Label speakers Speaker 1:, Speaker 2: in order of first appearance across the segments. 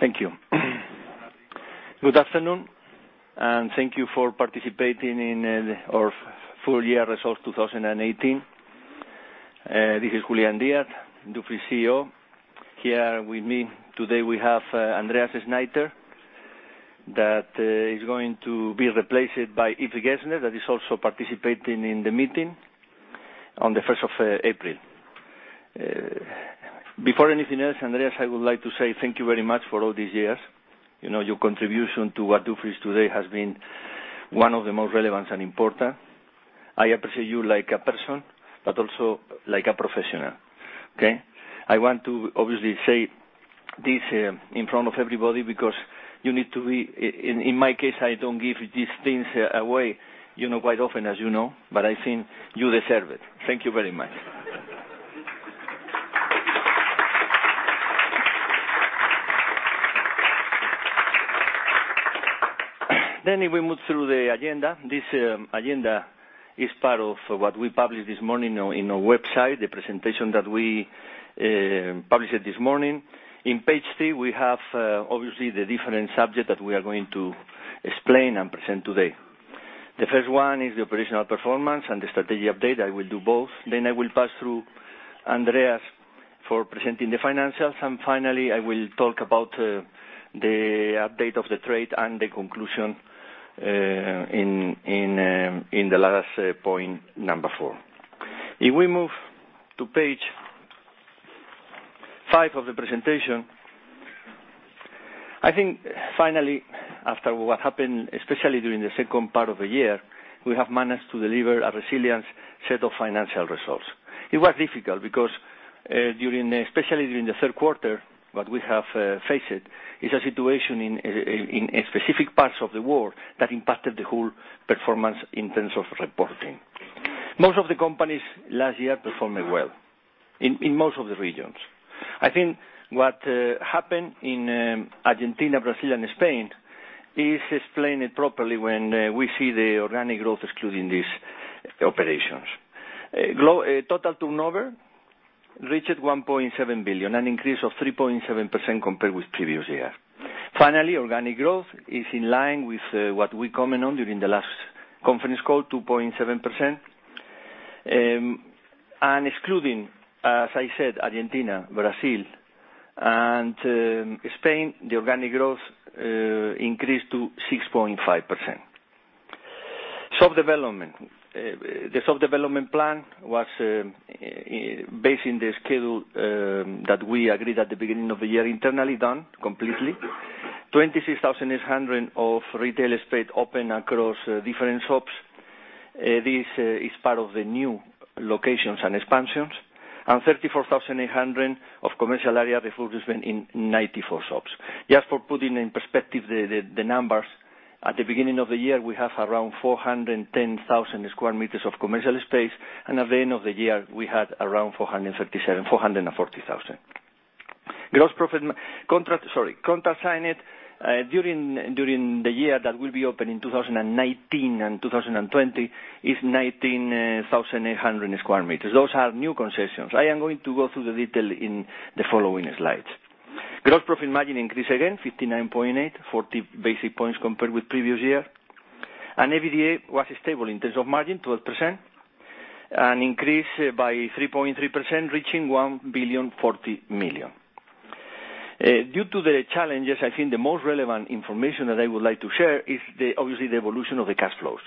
Speaker 1: Thank you. Good afternoon, and thank you for participating in our full year results 2018. This is Julián Díaz, Dufry's CEO. Here with me today, we have Andreas Schneiter, that is going to be replaced by Yves Gerster, that is also participating in the meeting, on the 1st of April. Before anything else, Andreas, I would like to say thank you very much for all these years. Your contribution to what Dufry is today has been one of the most relevant and important. I appreciate you like a person, but also like a professional. Okay? I want to obviously say this in front of everybody because in my case, I don't give these things away quite often, as you know, but I think you deserve it. Thank you very much. If we move through the agenda. This agenda is part of what we published this morning in our website, the presentation that we published this morning. In page three, we have obviously the different subjects that we are going to explain and present today. The first one is the operational performance and the strategy update. I will do both. I will pass to Andreas for presenting the financials. Finally, I will talk about the update of the trade and the conclusion in the last point, number four. If we move to page five of the presentation. I think finally, after what happened, especially during the second part of the year, we have managed to deliver a resilient set of financial results. It was difficult because, especially during the third quarter, what we have faced is a situation in specific parts of the world that impacted the whole performance in terms of reporting. Most of the companies last year performed well in most of the regions. I think what happened in Argentina, Brazil, and Spain is explained properly when we see the organic growth excluding these operations. Total turnover reached 1.7 billion, an increase of 3.7% compared with previous year. Finally, organic growth is in line with what we commented on during the last conference call, 2.7%. Excluding, as I said, Argentina, Brazil, and Spain, the organic growth increased to 6.5%. Shop development. The shop development plan was based on the schedule that we agreed at the beginning of the year, internally done completely. 26,800 sq m of retail space open across different shops. This is part of the new locations and expansions. 34,800 sq m of commercial area refurbished in 94 shops. Just for putting in perspective the numbers, at the beginning of the year, we have around 410,000 sq m of commercial space, and at the end of the year, we had around 440,000 sq m. Contract signed during the year that will be open in 2019 and 2020 is 19,800 sq m. Those are new concessions. I am going to go through the detail in the following slides. Gross profit margin increased again, 59.8%, 40 basis points compared with previous year. EBITDA was stable in terms of margin, 12%, and increased by 3.3%, reaching 1.04 billion. Due to the challenges, I think the most relevant information that I would like to share is obviously the evolution of the cash flows.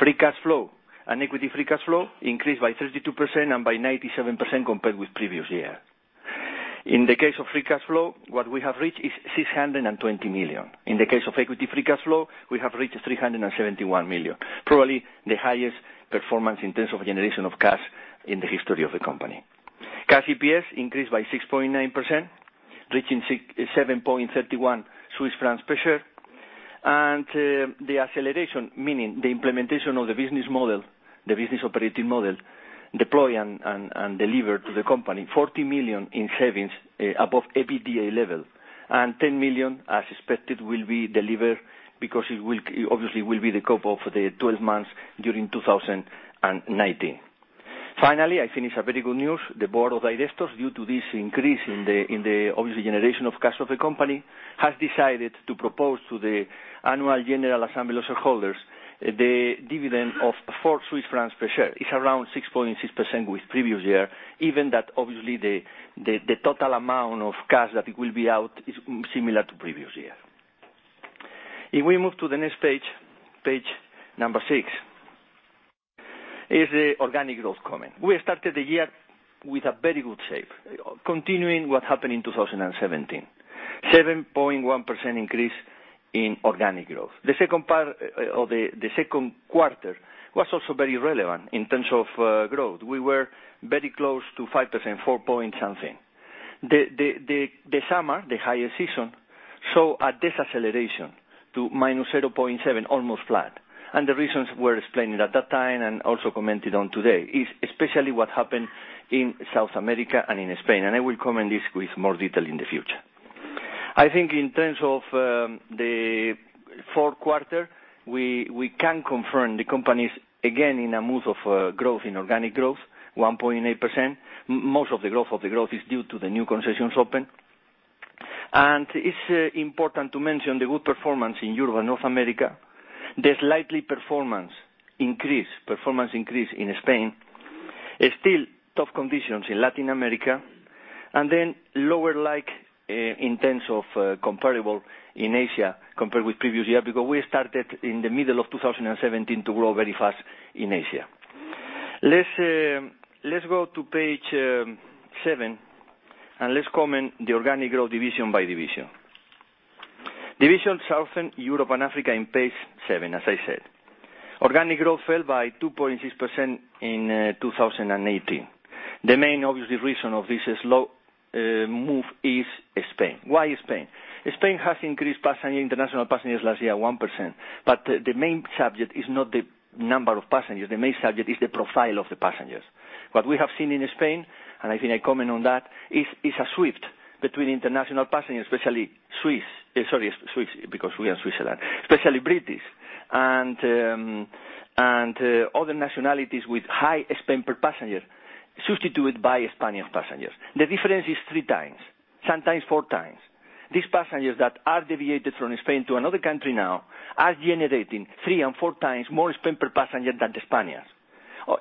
Speaker 1: Free cash flow and equity free cash flow increased by 32% and by 97% compared with previous year. In the case of free cash flow, what we have reached is 620 million. In the case of equity free cash flow, we have reached 371 million, probably the highest performance in terms of generation of cash in the history of the company. Cash EPS increased by 6.9%, reaching 7.31 Swiss francs per share. The acceleration, meaning the implementation of the business model, the business operating model, deployed and delivered to the company, 40 million in savings above EBITDA level, 10 million, as expected, will be delivered because it obviously will be the couple for the 12 months during 2019. Finally, I think it's a very good news. The board of directors, due to this increase in the, obviously, generation of cash of the company, has decided to propose to the annual general assembly of shareholders the dividend of 4 Swiss francs per share. It's around 6.6% with previous year, even that obviously the total amount of cash that it will be out is similar to the previous year. If we move to the next page number six, is the organic growth comment. We started the year with a very good shape, continuing what happened in 2017. 7.1% increase in organic growth. The second quarter was also very relevant in terms of growth. We were very close to 5%, four point something. The summer, the highest season, saw a deceleration to -0.7%, almost flat. The reasons were explained at that time and also commented on today is especially what happened in South America and in Spain. I will comment this with more detail in the future. I think in terms of the fourth quarter, we can confirm the company is again in a mood of growth, in organic growth, 1.8%. Most of the growth is due to the new concessions open. It's important to mention the good performance in Europe and North America. The slight performance increase in Spain. Still tough conditions in Latin America, lower like in terms of comparable in Asia compared with previous year, because we started in the middle of 2017 to grow very fast in Asia. Let's go to page seven, let's comment the organic growth division by division. Division Southern Europe and Africa in page seven, as I said. Organic growth fell by 2.6% in 2018. The main, obviously, reason for this slow move is Spain. Why Spain? Spain has increased international passengers last year, 1%. The main subject is not the number of passengers. The main subject is the profile of the passengers. What we have seen in Spain, I think I comment on that, is a shift between international passengers, especially Swiss. Sorry, Swiss, because we are in Switzerland. Especially British and other nationalities with high spend per passenger, substituted by Spanish passengers. The difference is three times, sometimes four times. These passengers that are deviated from Spain to another country now are generating three and four times more spend per passenger than the Spaniards.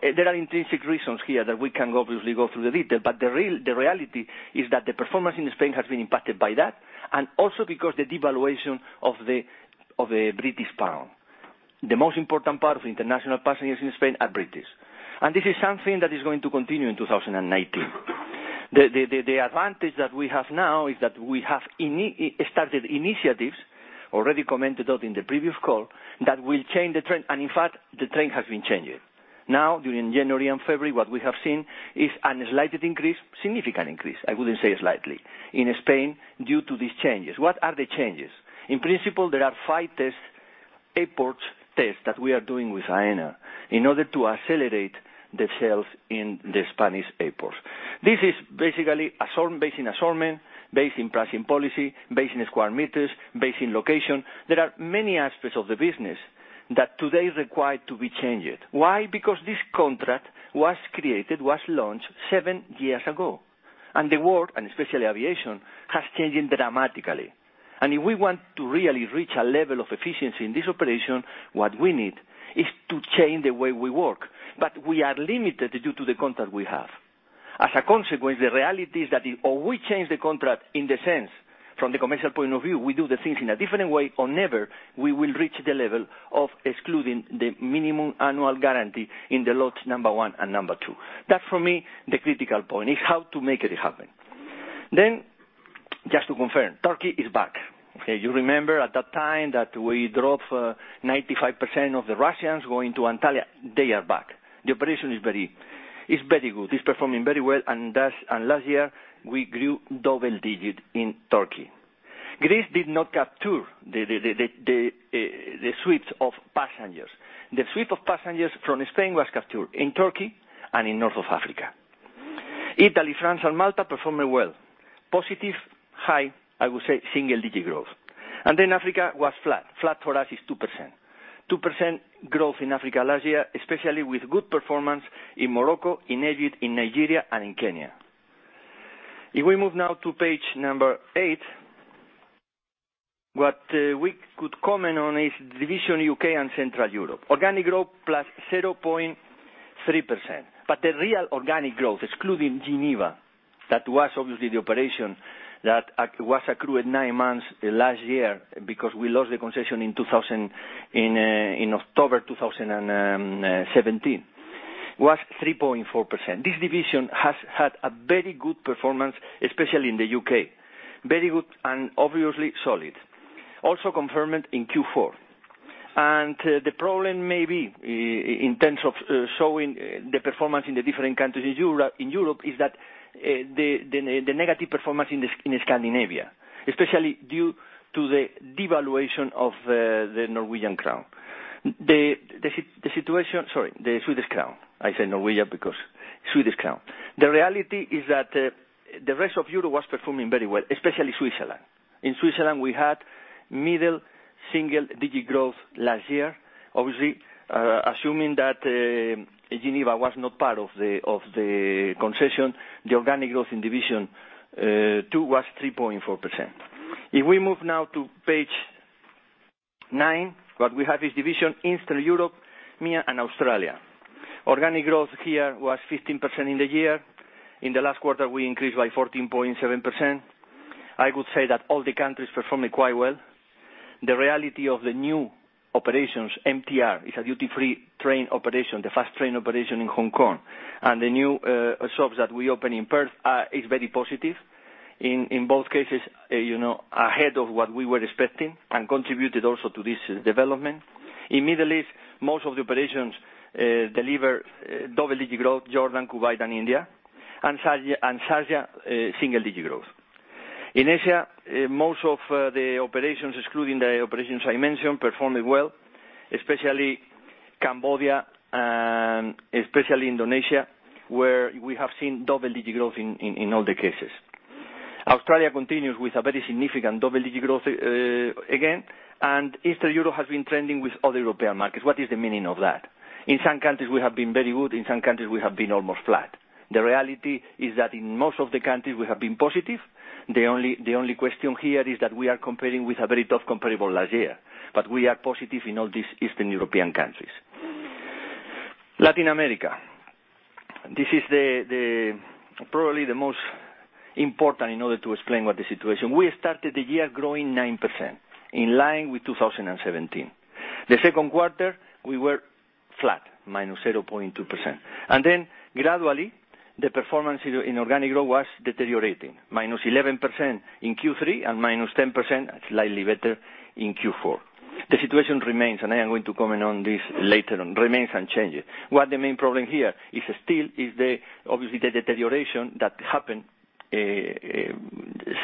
Speaker 1: There are intrinsic reasons here that we can, obviously, go through the detail, the reality is that the performance in Spain has been impacted by that, and also because the devaluation of the British pound. The most important part of international passengers in Spain are British. This is something that is going to continue in 2019. The advantage that we have now is that we have started initiatives, already commented on in the previous call, that will change the trend. In fact, the trend has been changing. Now, during January and February, what we have seen is a slight increase, significant increase, I wouldn't say slight, in Spain due to these changes. What are the changes? In principle, there are five test airports that we are doing with Aena in order to accelerate the sales in the Spanish airports. This is basically based in assortment, based in pricing policy, based in square meters, based in location. There are many aspects of the business that today require to be changed. Why? This contract was created, was launched seven years ago, and the world, and especially aviation, has changed dramatically. If we want to really reach a level of efficiency in this operation, what we need is to change the way we work. We are limited due to the contract we have. As a consequence, the reality is that or we change the contract in the sense, from the commercial point of view, we do the things in a different way, or never, we will reach the level of excluding the minimum annual guarantee in the lots number one and number two. That, for me, the critical point is how to make it happen. Just to confirm, Turkey is back. Okay? You remember at that time that we dropped 95% of the Russians going to Antalya. They are back. The operation is very good. It's performing very well, and last year, we grew double-digit in Turkey. Greece did not capture the shift of passengers. The shift of passengers from Spain was captured in Turkey and in north of Africa. Italy, France, and Malta performed well. Positive, high, I would say, single-digit growth. Africa was flat. Flat for us is 2%. 2% growth in Africa last year, especially with good performance in Morocco, in Egypt, in Nigeria, and in Kenya. If we move now to page eight, what we could comment on is division U.K. and Central Europe. Organic growth, plus 0.3%. The real organic growth, excluding Geneva, that was obviously the operation that was accrued nine months last year because we lost the concession in October 2017, was 3.4%. This division has had a very good performance, especially in the U.K. Very good and obviously solid. Also confirmed in Q4. The problem may be, in terms of showing the performance in the different countries in Europe, is that the negative performance in Scandinavia, especially due to the devaluation of the Norwegian crown. The situation Sorry, the Swedish crown. I said Norwegian because, Swedish crown. The reality is that the rest of Europe was performing very well, especially Switzerland. In Switzerland, we had middle single-digit growth last year. Obviously, assuming that Geneva was not part of the concession, the organic growth in division two was 3.4%. If we move now to page nine, what we have is division Eastern Europe, MEA, and Australia. Organic growth here was 15% in the year. In the last quarter, we increased by 14.7%. I would say that all the countries performed quite well. The reality of the new operations, MTR, is a duty-free train operation, the fast train operation in Hong Kong. The new shops that we open in Perth are very positive. In both cases, ahead of what we were expecting and contributed also to this development. In Middle East, most of the operations deliver double-digit growth, Jordan, Kuwait, and India. SASIA, single-digit growth. In Asia, most of the operations, excluding the operations I mentioned, performed well, especially Cambodia, and especially Indonesia, where we have seen double-digit growth in all the cases. Australia continues with a very significant double-digit growth again, and Eastern Europe has been trending with other European markets. What is the meaning of that? In some countries, we have been very good. In some countries, we have been almost flat. The reality is that in most of the countries, we have been positive. The only question here is that we are comparing with a very tough comparable last year, but we are positive in all these Eastern European countries. Latin America. This is probably the most important in order to explain what the situation. We started the year growing 9%, in line with 2017. The second quarter, we were flat, minus 0.2%. Gradually, the performance in organic growth was deteriorating, minus 11% in Q3 and minus 10%, slightly better, in Q4. The situation remains, and I am going to comment on this later on. Remains unchanged. The main problem here is still, obviously, the deterioration that happened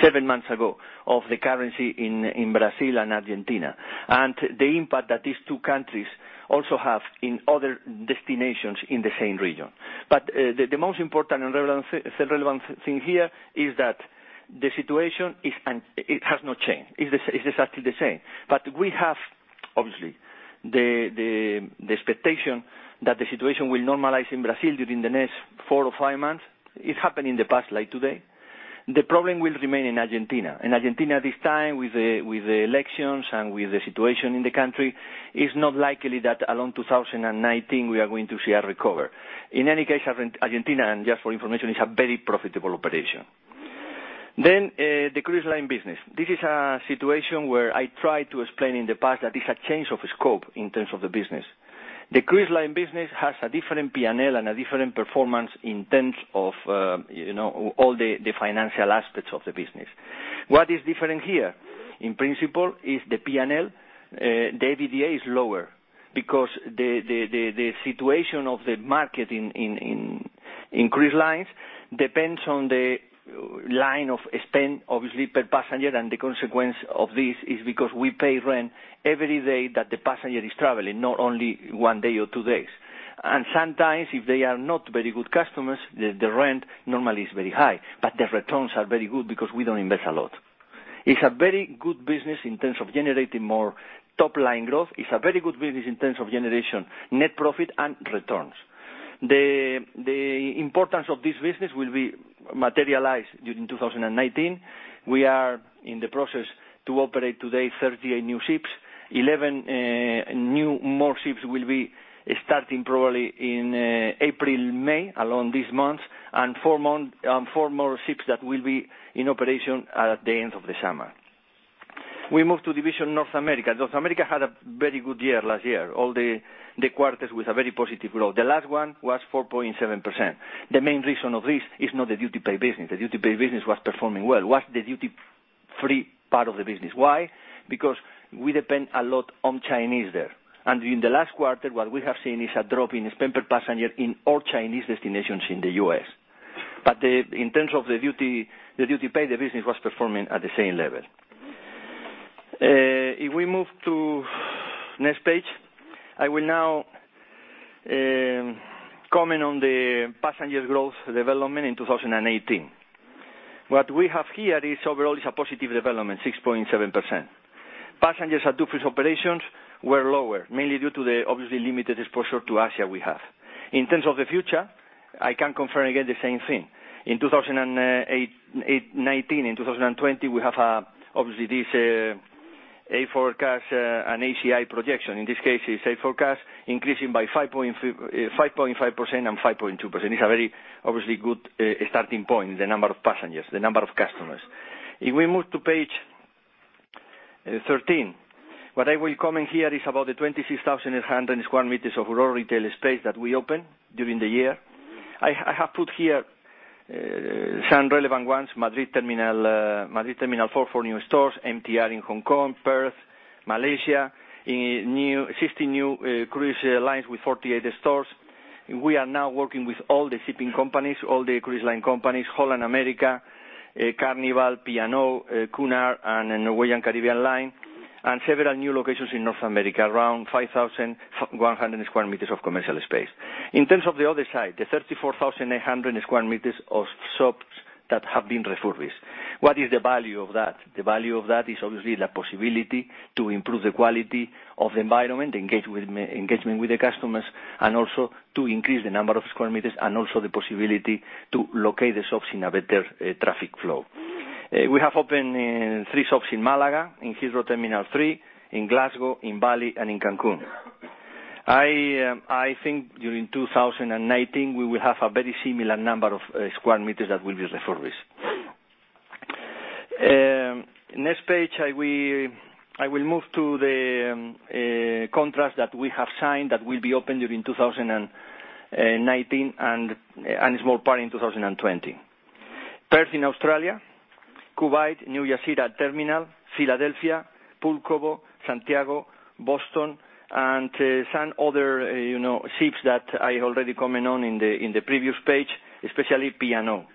Speaker 1: seven months ago of the currency in Brazil and Argentina and the impact that these two countries also have in other destinations in the same region. The most important and relevant thing here is that the situation, it has not changed. It's exactly the same. We have, obviously, the expectation that the situation will normalize in Brazil during the next four or five months. It happened in the past like today. The problem will remain in Argentina. In Argentina this time, with the elections and with the situation in the country, it's not likely that along 2019, we are going to see a recover. In any case, Argentina, and just for information, is a very profitable operation. The cruise line business. This is a situation where I tried to explain in the past that it's a change of scope in terms of the business. The cruise line business has a different P&L and a different performance in terms of all the financial aspects of the business. What is different here, in principle, is the P&L. The EBITDA is lower because the situation of the market in cruise lines depends on the line of spend, obviously, per passenger, and the consequence of this is because we pay rent every day that the passenger is traveling, not only one day or two days. Sometimes, if they are not very good customers, the rent normally is very high, but the returns are very good because we don't invest a lot. It's a very good business in terms of generating more top-line growth. It's a very good business in terms of generation net profit and returns. The importance of this business will be materialized during 2019. We are in the process to operate today 38 new ships. 11 more ships will be starting probably in April, May, along these months, and four more ships that will be in operation at the end of the summer. We move to division North America. North America had a very good year last year, all the quarters with a very positive growth. The last one was 4.7%. The main reason of this is not the duty paid business. The duty paid business was performing well. It was the duty-free part of the business. Why? Because we depend a lot on Chinese there. In the last quarter, what we have seen is a drop in spend per passenger in all Chinese destinations in the U.S. In terms of the duty paid, the business was performing at the same level. If we move to next page, I will now comment on the passenger growth development in 2018. What we have here is overall is a positive development, 6.7%. Passengers at Dufry's operations were lower, mainly due to the obviously limited exposure to Asia we have. In terms of the future, I can confirm again the same thing. In 2019, in 2020, we have obviously this, a forecast, an ACI projection. In this case, it's a forecast increasing by 5.5% and 5.2%. It's a very, obviously, good starting point, the number of passengers, the number of customers. If we move to page 13, what I will comment here is about the 26,800 sq m of our retail space that we opened during the year. I have put here some relevant ones, Madrid Terminal four, four new stores, MTR in Hong Kong, Perth, Malaysia, 16 new cruise lines with 48 stores. We are now working with all the shipping companies, all the cruise line companies, Holland America Line, Carnival, P&O, Cunard, and Norwegian Cruise Line, and several new locations in North America, around 5,100 sq m of commercial space. In terms of the other side, the 34,800 sq m of shops that have been refurbished. What is the value of that? The value of that is obviously the possibility to improve the quality of the environment, engagement with the customers, and also to increase the number of sq m and also the possibility to locate the shops in a better traffic flow. We have opened three shops in Malaga, in Heathrow Terminal three, in Glasgow, in Bali, and in Cancún. I think during 2019, we will have a very similar number of sq m that will be refurbished. Next page, I will move to the contracts that we have signed that will be opened during 2019 and a small part in 2020. Perth in Australia, Kuwait, New Jeddah Terminal, Philadelphia, Pulkovo, Santiago, Boston, and some other ships that I already comment on in the previous page, especially P&O.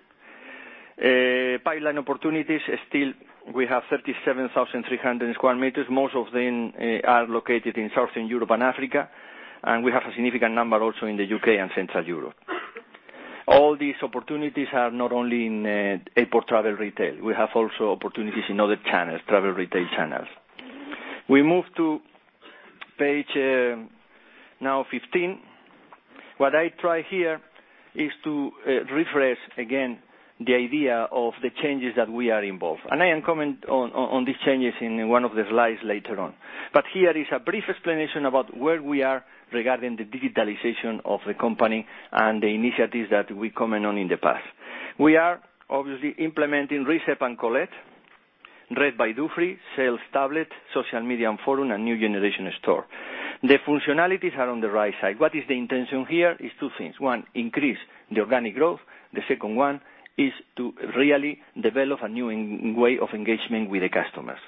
Speaker 1: Pipeline opportunities, still we have 37,300 sq m. Most of them are located in Southern Europe and Africa. We have a significant number also in the U.K. and Central Europe. All these opportunities are not only in airport travel retail. We have also opportunities in other travel retail channels. We move to page now 15. What I try here is to rephrase again the idea of the changes that we are involved. I am comment on these changes in one of the slides later on. Here is a brief explanation about where we are regarding the digitalization of the company and the initiatives that we comment on in the past. We are obviously implementing Reserve & Collect, RED BY DUFRY, sales tablet, social media and Forum, and New Generation Store. The functionalities are on the right side. What is the intention here is two things. One, increase the organic growth. The second one is to really develop a new way of engagement with the customers.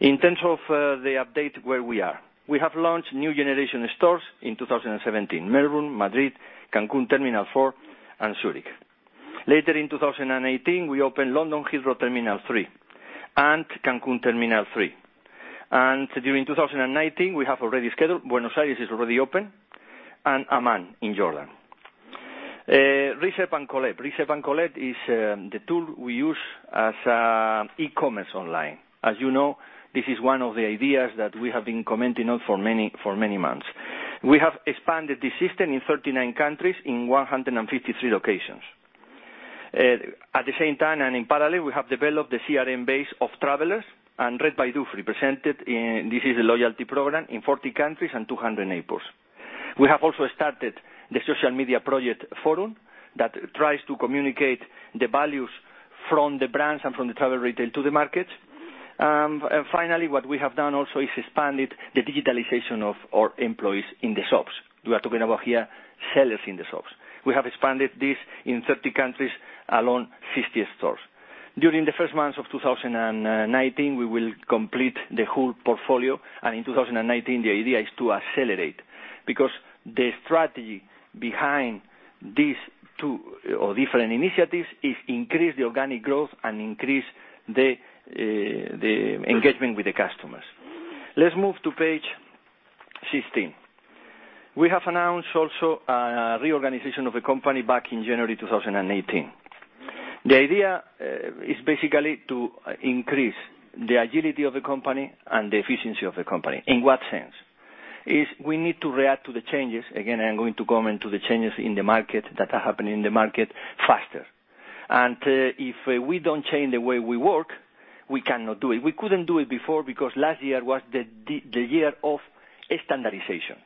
Speaker 1: In terms of the update, where we are. We have launched New Generation Stores in 2017, Melbourne, Madrid, Cancun Terminal four, and Zurich. Later in 2018, we opened London Heathrow Terminal three and Cancun Terminal three. During 2019, we have already scheduled, Buenos Aires is already open, and Amman in Jordan. Reserve & Collect. Reserve & Collect is the tool we use as e-commerce online. As you know, this is one of the ideas that we have been commenting on for many months. We have expanded the system in 39 countries in 153 locations. At the same time, and in parallel, we have developed the CRM base of travelers and RED BY DUFRY presented in, this is a loyalty program, in 40 countries and 200 airports. We have also started the social media project Forum that tries to communicate the values from the brands and from the travel retail to the market. Finally, what we have done also is expanded the digitalization of our employees in the shops. We are talking about here, sellers in the shops. We have expanded this in 30 countries, around 60 stores. During the first months of 2019, we will complete the whole portfolio, and in 2019, the idea is to accelerate, because the strategy behind these two or different initiatives is increase the organic growth and increase the engagement with the customers. Let's move to page 16. We have announced also a reorganization of the company back in January 2018. The idea is basically to increase the agility of the company and the efficiency of the company. In what sense? We need to react to the changes, again, I'm going to comment to the changes in the market that are happening in the market, faster. If we don't change the way we work, we cannot do it. We couldn't do it before because last year was the year of standardization.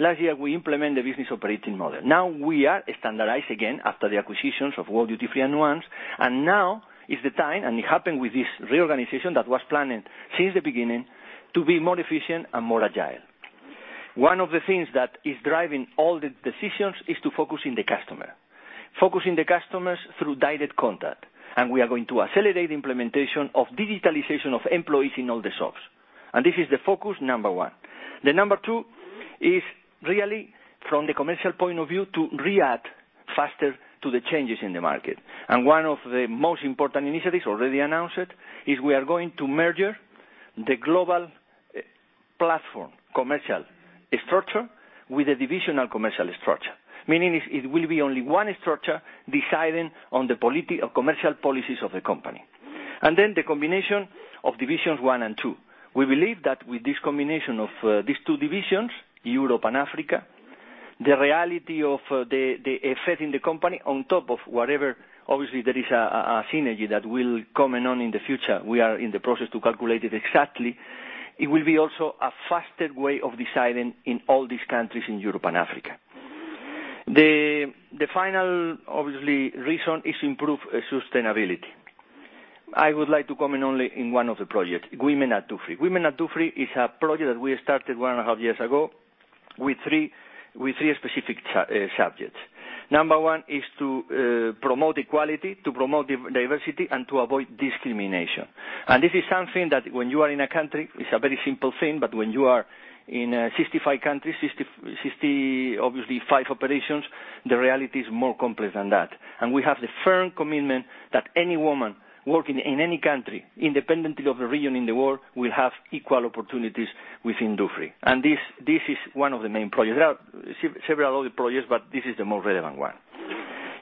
Speaker 1: Last year, we implemented the business operating model. Now we are standardized again after the acquisitions of World Duty Free and Nuance. Now is the time, and it happened with this reorganization that was planned since the beginning, to be more efficient and more agile. One of the things that is driving all the decisions is to focus in the customer, focusing the customers through direct contact. We are going to accelerate implementation of digitalization of employees in all the shops. This is the focus number one. The number two is really from the commercial point of view, to react faster to the changes in the market. One of the most important initiatives already announced is we are going to merge the global platform commercial structure with a divisional commercial structure. Meaning it will be only one structure deciding on the commercial policies of the company. Then the combination of divisions one and two. We believe that with this combination of these two divisions, Europe and Africa, the reality of the effect in the company on top of whatever, obviously, there is a synergy that will come along in the future. We are in the process to calculate it exactly. It will be also a faster way of deciding in all these countries in Europe and Africa. The final, obviously, reason is improve sustainability. I would like to comment only in one of the projects, Women at Dufry. Women at Dufry is a project that we started one and a half years ago with three specific subjects. Number one is to promote equality, to promote diversity, and to avoid discrimination. This is something that when you are in a country, it's a very simple thing, but when you are in 65 countries, 65 operations, the reality is more complex than that. We have the firm commitment that any woman working in any country, independently of the region in the world, will have equal opportunities within Dufry. This is one of the main projects. There are several other projects, but this is the most relevant one.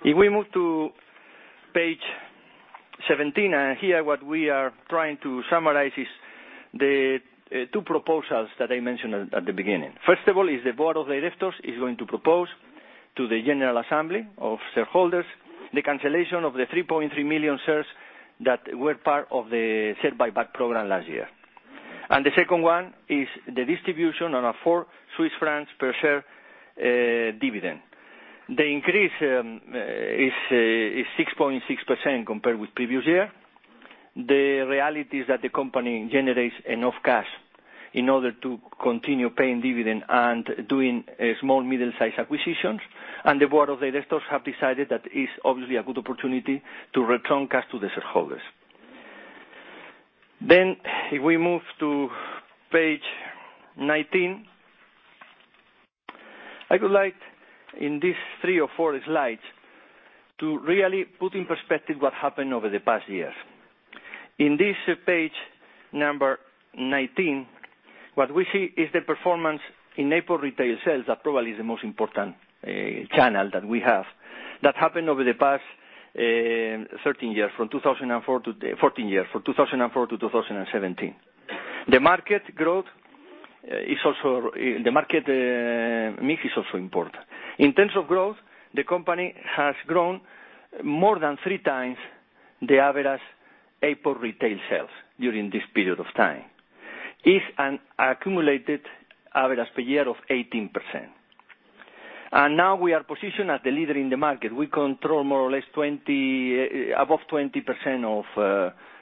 Speaker 1: We move to page 17, here what we are trying to summarize is the two proposals that I mentioned at the beginning. First of all is the board of directors is going to propose to the general assembly of shareholders the cancellation of the 3.3 million shares that were part of the share buyback program last year. The second one is the distribution on a four CHF per share dividend. The increase is 6.6% compared with previous year. The reality is that the company generates enough cash in order to continue paying dividend and doing small, middle-size acquisitions. The board of directors have decided that it's obviously a good opportunity to return cash to the shareholders. We move to page 19, I would like, in these three or four slides, to really put in perspective what happened over the past years. In this page number 19, what we see is the performance in airport retail sales. Probably is the most important channel that we have. Happened over the past 13 years, 14 years, from 2004 to 2017. The market mix is also important. In terms of growth, the company has grown more than three times the average airport retail sales during this period of time. It's an accumulated average per year of 18%. Now we are positioned as the leader in the market. We control more or less above 20% of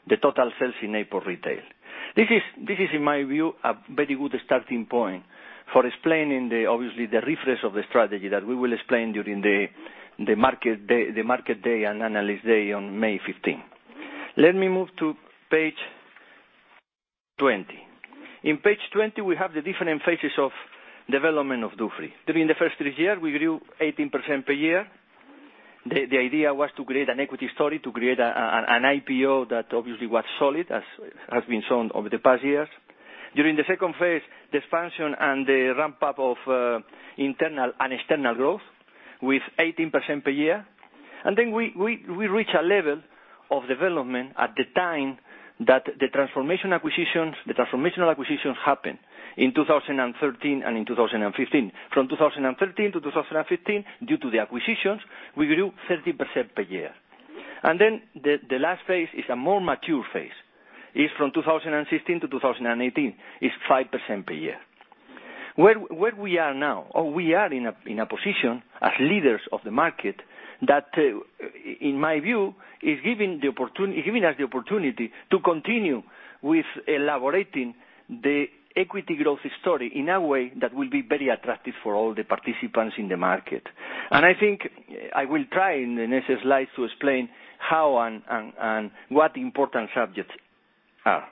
Speaker 1: the total sales in airport retail. This is, in my view, a very good starting point for explaining, obviously, the refresh of the strategy that we will explain during the Market Day and Analyst Day on May 15. Let me move to page 20. In page 20, we have the different phases of development of Dufry. During the first three years, we grew 18% per year. The idea was to create an equity story, to create an IPO that obviously was solid, as has been shown over the past years. During the second phase, the expansion and the ramp-up of internal and external growth with 18% per year. We reach a level of development at the time that the transformational acquisitions happened in 2013 and in 2015. From 2013 to 2015, due to the acquisitions, we grew 30% per year. The last phase is a more mature phase. It's from 2016 to 2018. It's 5% per year. Where we are now, or we are in a position as leaders of the market that, in my view, is giving us the opportunity to continue with elaborating the equity growth story in a way that will be very attractive for all the participants in the market. I think I will try in the next slides to explain how and what important subjects are.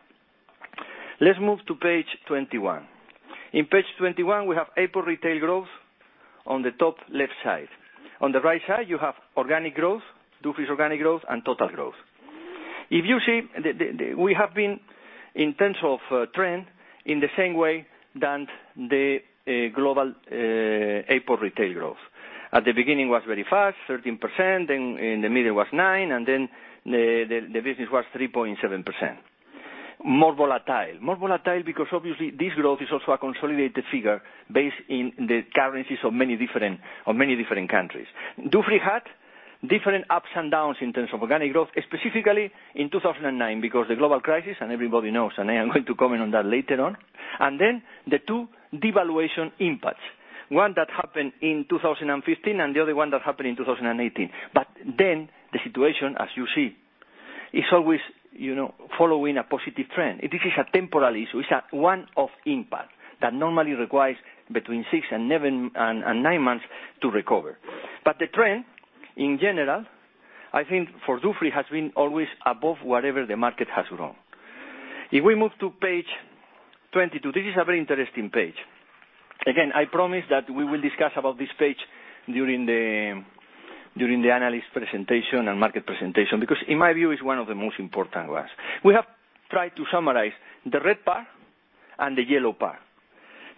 Speaker 1: Let's move to page 21. In page 21, we have airport retail growth on the top left side. On the right side, you have organic growth, Dufry's organic growth, and total growth. If you see, we have been, in terms of trend, in the same way than the global airport retail growth. At the beginning, it was very fast, 13%, then in the middle, it was 9%, and then the business was 3.7%. More volatile. More volatile because obviously this growth is also a consolidated figure based in the currencies of many different countries. Dufry had different ups and downs in terms of organic growth, specifically in 2009 because the global crisis, and everybody knows, I am going to comment on that later on. Then the two devaluation impacts, one that happened in 2015 and the other one that happened in 2018. The situation, as you see, is always following a positive trend. This is a temporary issue. It's a one-off impact that normally requires between six and nine months to recover. The trend, in general, I think for Dufry, has been always above whatever the market has grown. If we move to page 22, this is a very interesting page. Again, I promise that we will discuss about this page during the analyst presentation and market presentation, because in my view, it's one of the most important ones. We have tried to summarize the red bar and the yellow bar.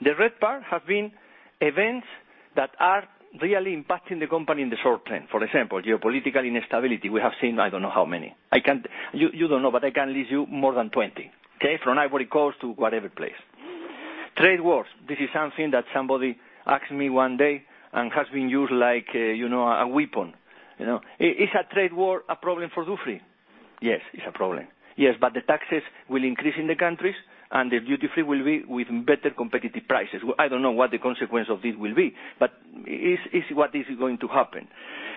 Speaker 1: The red bar have been events that are really impacting the company in the short term. For example, geopolitical instability. We have seen I don't know how many. You don't know, but I can list you more than 20. Okay? From Ivory Coast to whatever place. Trade wars. This is something that somebody asked me one day and has been used like a weapon. Is a trade war a problem for Dufry? Yes, it's a problem. Yes, the taxes will increase in the countries, and the duty-free will be with better competitive prices. I don't know what the consequence of this will be, it's what is going to happen.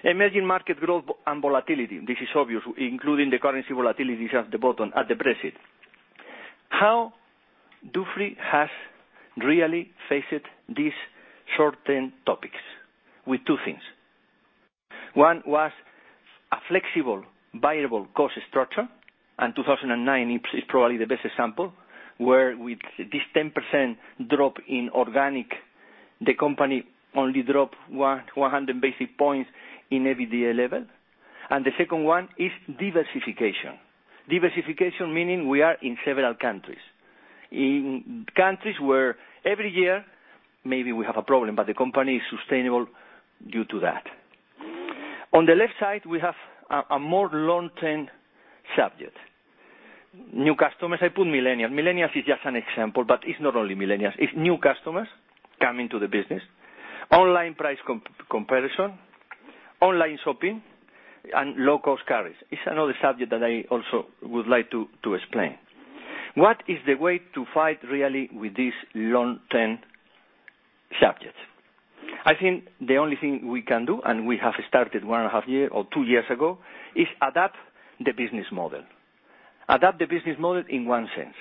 Speaker 1: Emerging market growth and volatility. This is obvious, including the currency volatility at the bottom at the Brexit. How Dufry has really faced these short-term topics? With two things. One was a flexible, variable cost structure, 2009 is probably the best example, where with this 10% drop in organic, the company only dropped 100 basis points in EBITDA level. The second one is diversification. Diversification, meaning we are in several countries. In countries where every year, maybe we have a problem, the company is sustainable due to that. On the left side, we have a more long-term subject. New customers, I put millennials. Millennials is just an example, but it's not only millennials. It's new customers coming to the business, online price comparison, online shopping, and low-cost carriers. It's another subject that I also would like to explain. What is the way to fight really with these long-term subjects? I think the only thing we can do, we have started one and a half years or two years ago, is adapt the business model. Adapt the business model in one sense.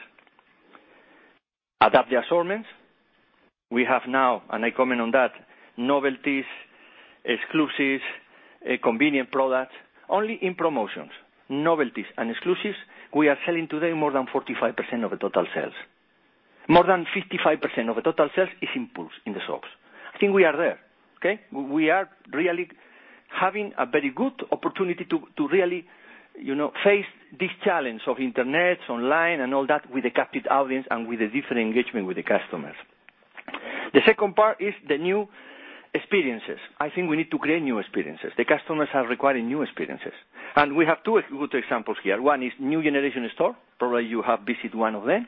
Speaker 1: Adapt the assortments. We have now, I comment on that, novelties, exclusives, convenient products, only in promotions, novelties, and exclusives, we are selling today more than 45% of the total sales. More than 55% of the total sales is in pulse, in the SOX. I think we are there. We are really having a very good opportunity to really face this challenge of internet, online, and all that, with a captive audience and with a different engagement with the customers. The second part is the new experiences. I think we need to create new experiences. The customers are requiring new experiences. We have two good examples here. One is New Generation Store. Probably you have visited one of them.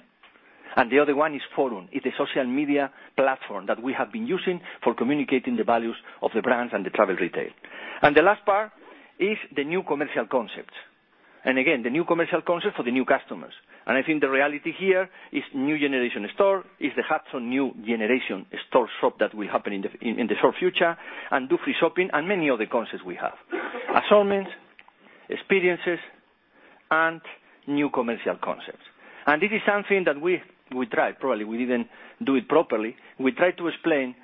Speaker 1: The other one is Forum, it's a social media platform that we have been using for communicating the values of the brands and the travel retail. The last part is the new commercial concepts. The new commercial concept for the new customers. I think the reality here is New Generation Store, is the Hudson New Generation Store shop that will happen in the short future, and duty-free shopping and many other concepts we have. Assortments, experiences, and new commercial concepts. This is something that we tried, probably we didn't do it properly. We tried to explain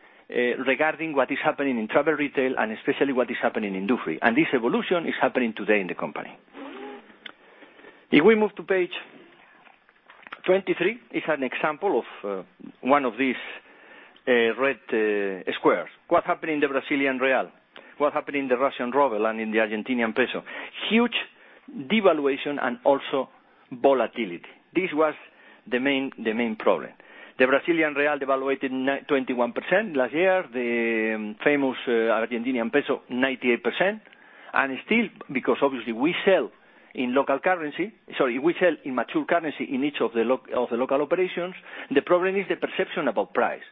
Speaker 1: regarding what is happening in travel retail and especially what is happening in duty free. This evolution is happening today in the company. If we move to page 23, it's an example of one of these red squares. What happened in the Brazilian real, what happened in the Russian ruble and in the Argentinian peso. Huge devaluation and also volatility. This was the main problem. The Brazilian real devaluated 21% last year, the famous Argentinian peso 98%. Still, because obviously we sell in mature currency in each of the local operations, the problem is the perception about price.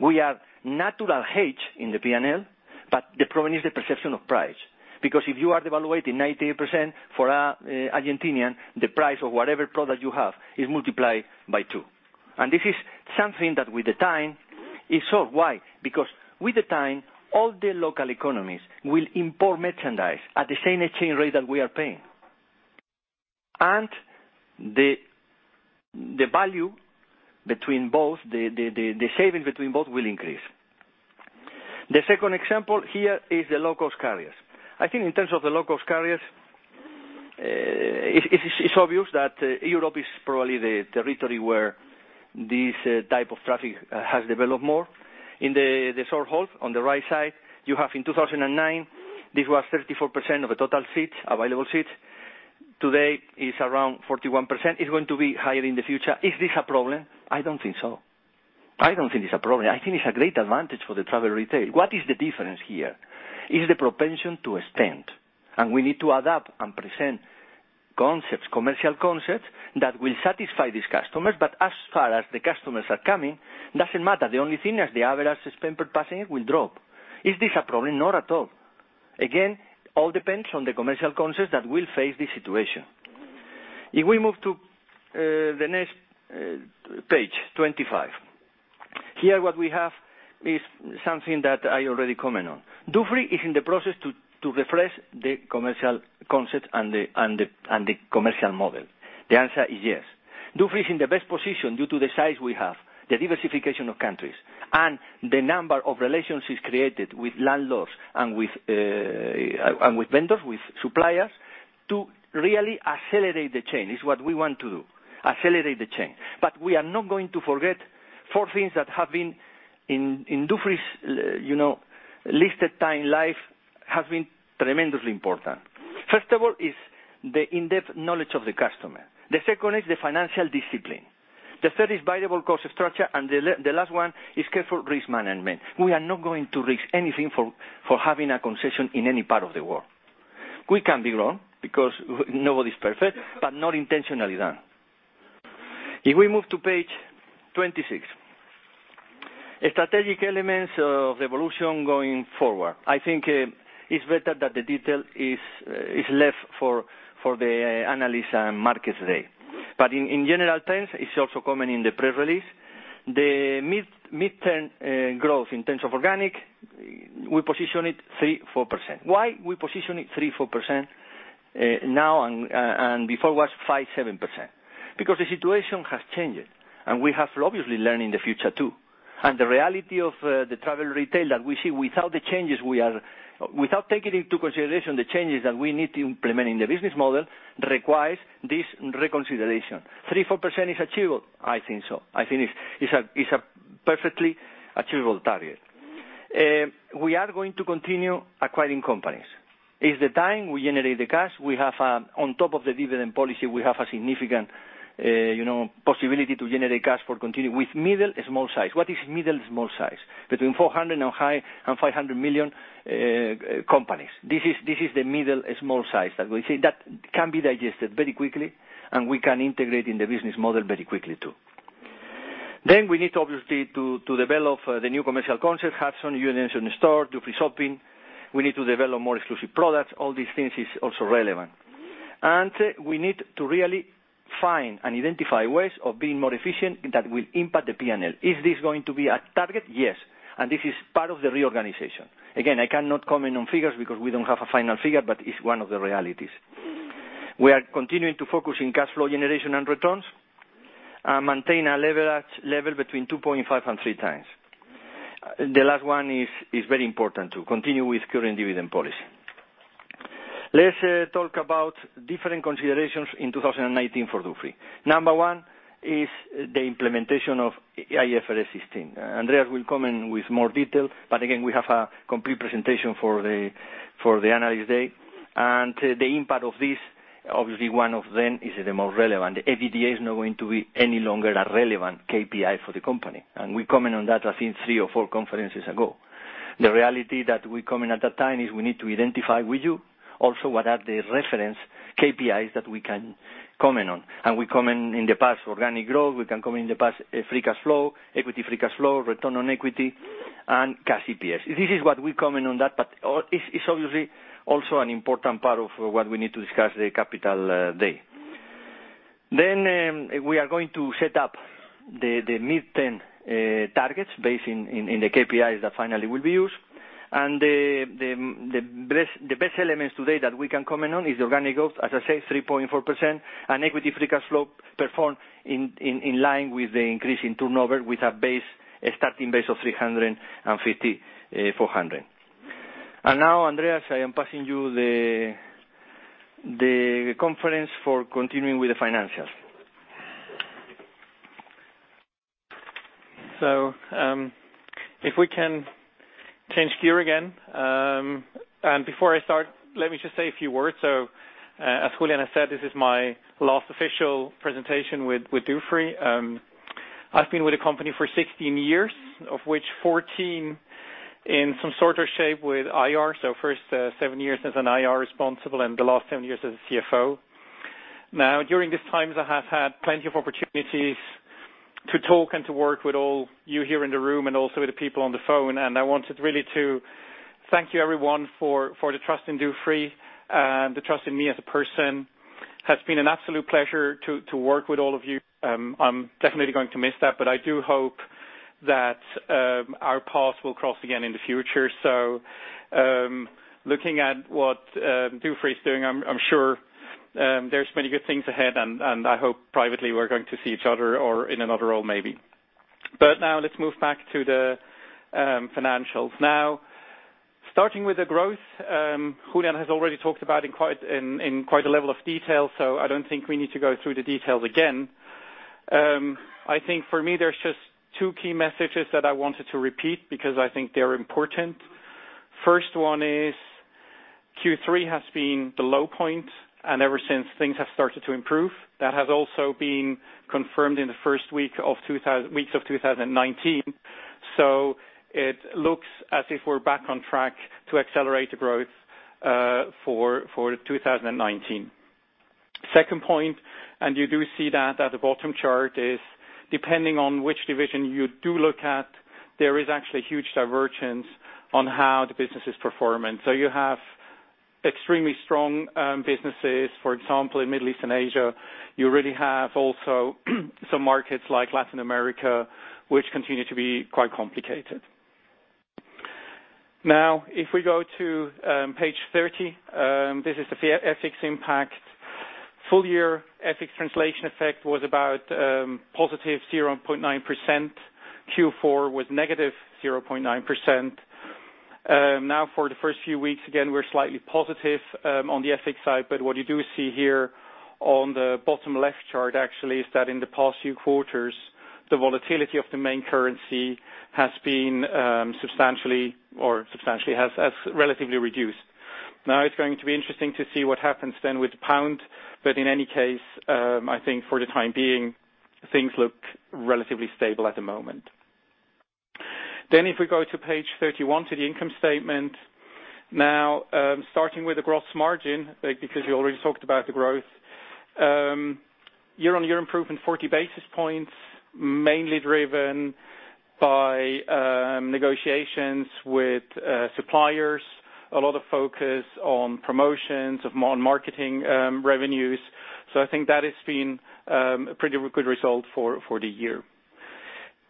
Speaker 1: We have natural hedge in the P&L, but the problem is the perception of price. Because if you are devaluating 98% for Argentinian, the price of whatever product you have is multiplied by two. This is something that with time is solved. Why? Because with time, all the local economies will import merchandise at the same exchange rate that we are paying. The value between both, the saving between both will increase. The second example here is the low-cost carriers. I think in terms of the low-cost carriers, it's obvious that Europe is probably the territory where this type of traffic has developed more. In the short halt, on the right side, you have in 2009, this was 34% of the total available seats. Today, it's around 41%. It's going to be higher in the future. Is this a problem? I don't think so. I don't think it's a problem. I think it's a great advantage for the travel retail. What is the difference here? Is the propensity to extend. We need to adapt and present commercial concepts that will satisfy these customers. As far as the customers are coming, doesn't matter. The only thing is the average spend per passenger will drop. Is this a problem? Not at all. Again, all depends on the commercial concepts that will face this situation. If we move to the next page 25. Here, what we have is something that I already comment on. duty free is in the process to refresh the commercial concept and the commercial model. The answer is yes. duty free is in the best position due to the size we have, the diversification of countries, and the number of relationships created with landlords and with vendors, with suppliers, to really accelerate the change. It's what we want to do, accelerate the change. But we are not going to forget four things that have been in duty free's listed time life, have been tremendously important. First of all is the in-depth knowledge of the customer. The second is the financial discipline. The third is variable cost structure, and the last one is careful risk management. We are not going to risk anything for having a concession in any part of the world. We can be wrong because nobody's perfect, but not intentionally done. If we move to page 26. Strategic elements of evolution going forward. I think it's better that the detail is left for the Analysts and Market Day. In general terms, it's also common in the press release, the mid-term growth in terms of organic, we position it 3%-4%. Why we position it 3%-4% now and before was 5%-7%? Because the situation has changed, and we have to obviously learn in the future, too. The reality of the travel retail that we see without taking into consideration the changes that we need to implement in the business model, requires this reconsideration. 3%-4% is achievable? I think so. I think it's a perfectly achievable target. We are going to continue acquiring companies. It's the time we generate the cash. On top of the dividend policy, we have a significant possibility to generate cash for continue with middle, small size. What is middle, small size? Between 400 million and 500 million companies. This is the middle, small size that we see. That can be digested very quickly, and we can integrate in the business model very quickly, too. We need obviously to develop the new commercial concept, Hudson, New Generation Store, duty-free shopping. We need to develop more exclusive products. All these things is also relevant. We need to really find and identify ways of being more efficient that will impact the P&L. Is this going to be a target? Yes. This is part of the reorganization. I cannot comment on figures because we don't have a final figure, but it's one of the realities. We are continuing to focus in cash flow generation and returns maintain a leverage level between 2.5 and 3 times. The last one is very important, to continue with current dividend policy. Let's talk about different considerations in 2019 for Dufry. Number one is the implementation of IFRS 16. Andreas will come in with more detail. We have a complete presentation for the analysis day. The impact of this, obviously one of them is the most relevant. The EBITDA is not going to be any longer a relevant KPI for the company, and we comment on that, I think, three or four conferences ago. The reality that we comment at that time is we need to identify with you also what are the reference KPIs that we can comment on. We comment in the past organic growth, we can comment in the past free cash flow, equity free cash flow, return on equity, and Cash EPS. This is what we comment on that, but it's obviously also an important part of what we need to discuss the Capital Day. We are going to set up the mid-term targets based in the KPIs that finally will be used. The best elements today that we can comment on is the organic growth, as I said, 3.4%, and equity free cash flow performed in line with the increase in turnover with a starting base of 350-400. Now, Andreas, I am passing you the conference for continuing with the financials.
Speaker 2: If we can change gear again. Before I start, let me just say a few words. As Julián has said, this is my last official presentation with Dufry. I've been with the company for 16 years, of which 14 in some sort or shape with IR. First seven years as an IR responsible and the last seven years as a CFO. During these times, I have had plenty of opportunities to talk and to work with all you here in the room and also with the people on the phone. I wanted really to thank you, everyone, for the trust in Dufry and the trust in me as a person. Has been an absolute pleasure to work with all of you. I'm definitely going to miss that. I do hope that our paths will cross again in the future. Looking at what Dufry is doing, I'm sure there's many good things ahead, and I hope privately we're going to see each other or in another role, maybe. Now let's move back to the financials. Starting with the growth. Julián has already talked about in quite a level of detail, so I don't think we need to go through the details again. I think for me, there's just two key messages that I wanted to repeat because I think they're important. First one is Q3 has been the low point, and ever since, things have started to improve. That has also been confirmed in the first weeks of 2019. It looks as if we're back on track to accelerate the growth for 2019. Second point, and you do see that at the bottom chart, is depending on which division you do look at, there is actually huge divergence on how the business is performing. You have extremely strong businesses, for example, in Middle East and Asia. You really have also some markets like Latin America, which continue to be quite complicated. If we go to page 30, this is the FX impact. Full year FX translation effect was about positive 0.9%. Q4 was negative 0.9%. For the first few weeks, again, we're slightly positive on the FX side. What you do see here on the bottom left chart actually, is that in the past few quarters, the volatility of the main currency has been substantially has relatively reduced. It's going to be interesting to see what happens then with the pound. In any case, I think for the time being, things look relatively stable at the moment. If we go to page 31 to the income statement. Starting with the gross margin, because you already talked about the growth. Year-on-year improvement, 40 basis points, mainly driven by negotiations with suppliers, a lot of focus on promotions, on marketing revenues. I think that has been a pretty good result for the year.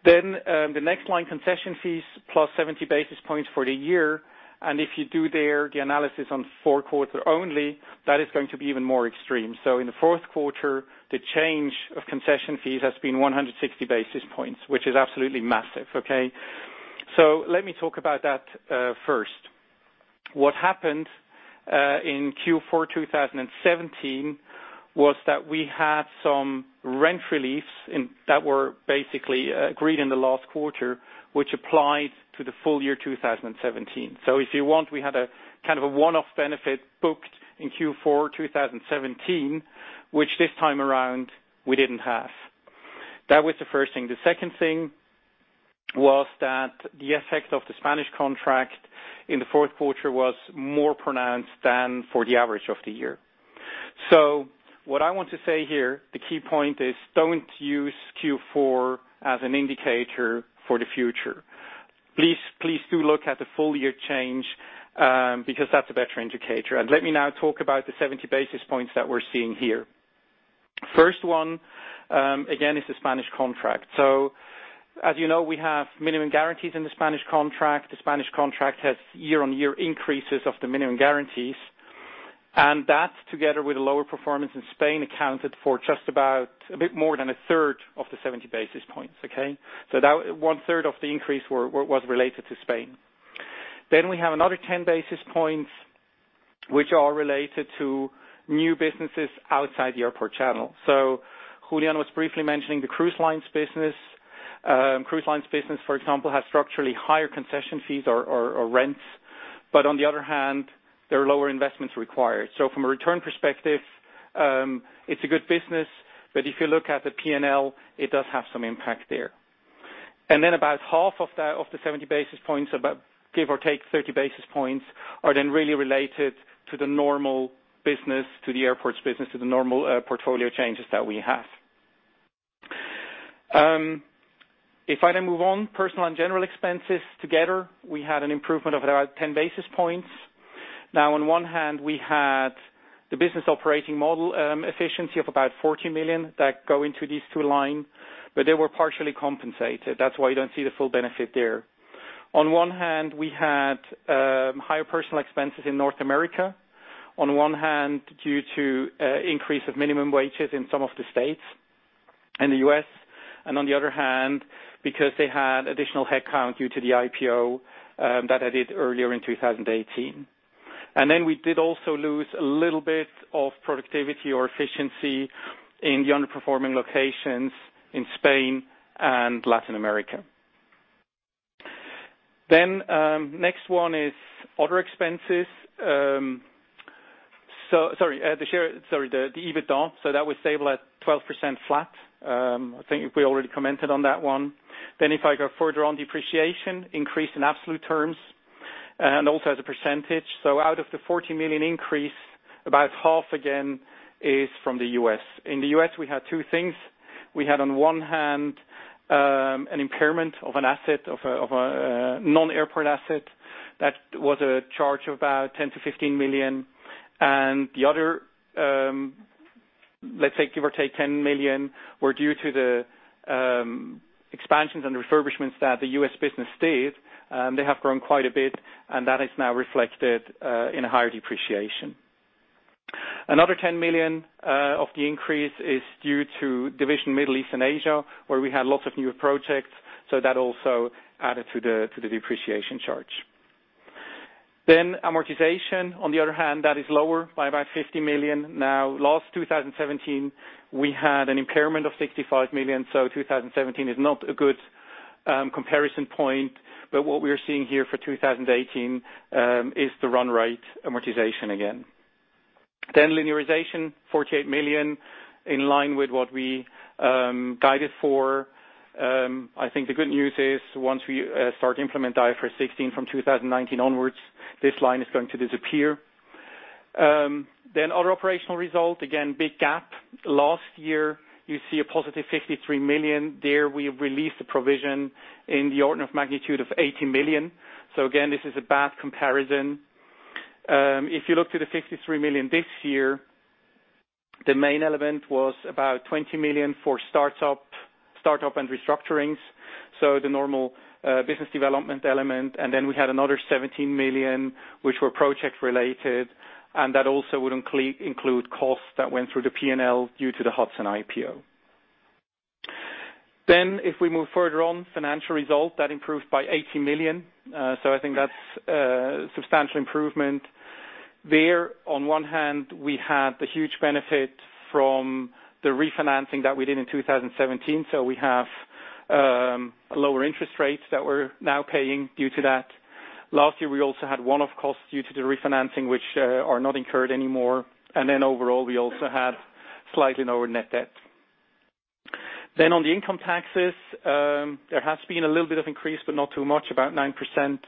Speaker 2: The next line, concession fees, +70 basis points for the year. If you do there, the analysis on fourth quarter only, that is going to be even more extreme. In the fourth quarter, the change of concession fees has been 160 basis points, which is absolutely massive, okay? Let me talk about that first. What happened in Q4 2017 was that we had some rent reliefs that were basically agreed in the last quarter, which applied to the full year 2017. If you want, we had a kind of a one-off benefit booked in Q4 2017, which this time around we didn't have. That was the first thing. The second thing was that the effect of the Spanish contract in the fourth quarter was more pronounced than for the average of the year. What I want to say here, the key point is don't use Q4 as an indicator for the future. Please do look at the full-year change, because that's a better indicator. Let me now talk about the 70 basis points that we're seeing here. First one, again, is the Spanish contract. As you know, we have minimum guarantees in the Spanish contract. The Spanish contract has year-on-year increases of the minimum guarantees. That together with lower performance in Spain accounted for just about a bit more than a third of the 70 basis points. One third of the increase was related to Spain. We have another 10 basis points, which are related to new businesses outside the airport channel. Julián was briefly mentioning the cruise lines business. Cruise lines business, for example, has structurally higher concession fees or rents. On the other hand, there are lower investments required. From a return perspective, it's a good business. If you look at the P&L, it does have some impact there. About half of the 70 basis points, about give or take 30 basis points, are then really related to the normal business, to the airports business, to the normal portfolio changes that we have. If I move on, personal and general expenses together, we had an improvement of around 10 basis points. On one hand, we had the business operating model efficiency of about 40 million that go into these two lines, but they were partially compensated. That's why you don't see the full benefit there. On one hand, we had higher personal expenses in North America. On one hand, due to increase of minimum wages in some of the states in the U.S., and on the other hand, because they had additional headcount due to the IPO that I did earlier in 2018. We did also lose a little bit of productivity or efficiency in the underperforming locations in Spain and Latin America. Next one is other expenses. Sorry, the EBITDA. That was stable at 12% flat. I think we already commented on that one. If I go further on depreciation, increase in absolute terms and also as a percentage. Out of the 40 million increase, about half again is from the U.S. In the U.S., we had two things. We had on one hand, an impairment of a non-airport asset that was a charge of about 10 million-15 million. The other, let's say give or take 10 million, were due to the expansions and refurbishments that the U.S. business did. They have grown quite a bit, and that is now reflected in a higher depreciation. Another 10 million of the increase is due to division Middle East and Asia, where we had lots of new projects, that also added to the depreciation charge. Amortization, on the other hand, that is lower by about 50 million. Last 2017, we had an impairment of 65 million, 2017 is not a good comparison point. What we are seeing here for 2018 is the run rate amortization again. Linearization, 48 million, in line with what we guided for. I think the good news is once we start to implement IFRS 16 from 2019 onwards, this line is going to disappear. Other operational result, again, big gap. Last year, you see a positive 53 million. There we released a provision in the order of magnitude of 80 million. Again, this is a bad comparison. If you look to the 53 million this year, the main element was about 20 million for startup and restructurings, the normal business development element. We had another 17 million, which were project related, and that also would include costs that went through the P&L due to the Hudson IPO. If we move further on, financial result, that improved by 80 million. I think that's a substantial improvement. There, on one hand, we had the huge benefit from the refinancing that we did in 2017, we have lower interest rates that we're now paying due to that. Last year, we also had one-off costs due to the refinancing, which are not incurred anymore. Overall, we also had slightly lower net debt. On the income taxes, there has been a little bit of increase, but not too much, about 9%.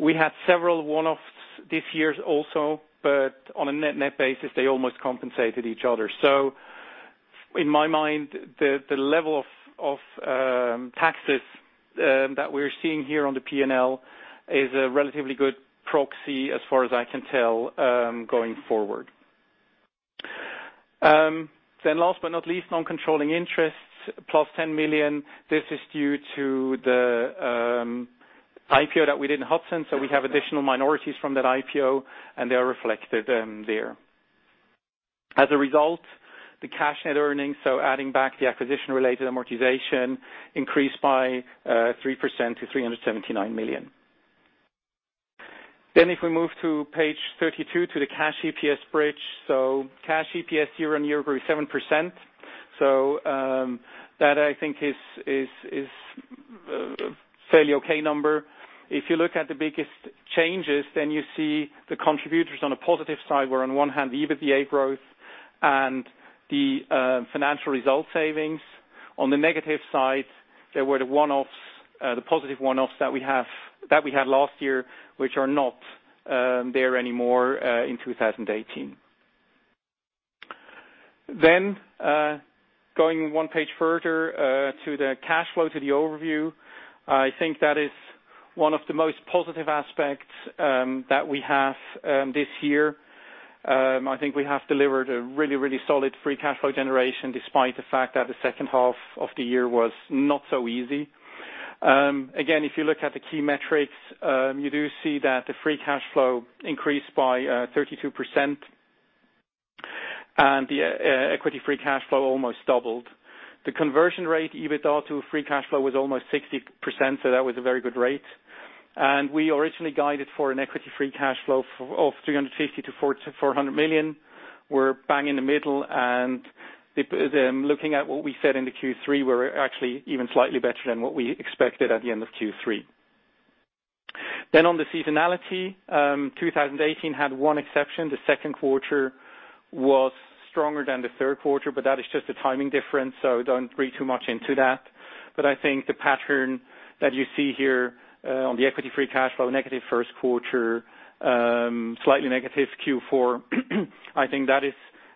Speaker 2: We had several one-offs this year also, but on a net-net basis, they almost compensated each other. In my mind, the level of taxes that we are seeing here on the P&L is a relatively good proxy as far as I can tell going forward. Last but not least, non-controlling interests, plus 10 million. This is due to the IPO that we did in Hudson. We have additional minorities from that IPO, and they are reflected there. As a result, the Cash net earnings, adding back the acquisition-related amortization, increased by 3% to 379 million. If we move to page 32 to the Cash EPS bridge. Cash EPS year on year grew 7%. That I think is fairly okay number. If you look at the biggest changes, you see the contributors on a positive side were on one hand, the EBITDA growth and the financial result savings. On the negative side, there were the positive one-offs that we had last year, which are not there anymore in 2018. Going one page further to the cash flow to the overview. I think that is one of the most positive aspects that we have this year. I think we have delivered a really, really solid free cash flow generation despite the fact that the second half of the year was not so easy. Again, if you look at the key metrics, you do see that the free cash flow increased by 32%, and the equity-free cash flow almost doubled. The conversion rate, EBITDA to free cash flow, was almost 60%, that was a very good rate. We originally guided for an equity-free cash flow of 350 million-400 million. We're bang in the middle, looking at what we said in the Q3, we're actually even slightly better than what we expected at the end of Q3. On the seasonality, 2018 had one exception. The second quarter was stronger than the third quarter, but that is just a timing difference, so don't read too much into that. I think the pattern that you see here on the equity-free cash flow, negative first quarter, slightly negative Q4, I think that is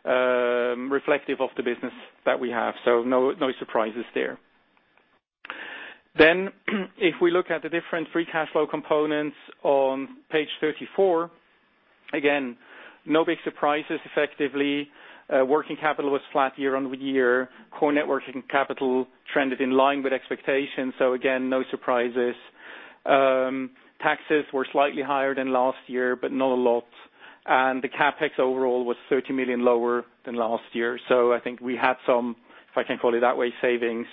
Speaker 2: reflective of the business that we have. No surprises there. If we look at the different free cash flow components on page 34, again, no big surprises effectively. Working capital was flat year-over-year. Core networking capital trended in line with expectations. Again, no surprises. Taxes were slightly higher than last year, but not a lot. The CapEx overall was 30 million lower than last year. I think we had some, if I can call it that way, savings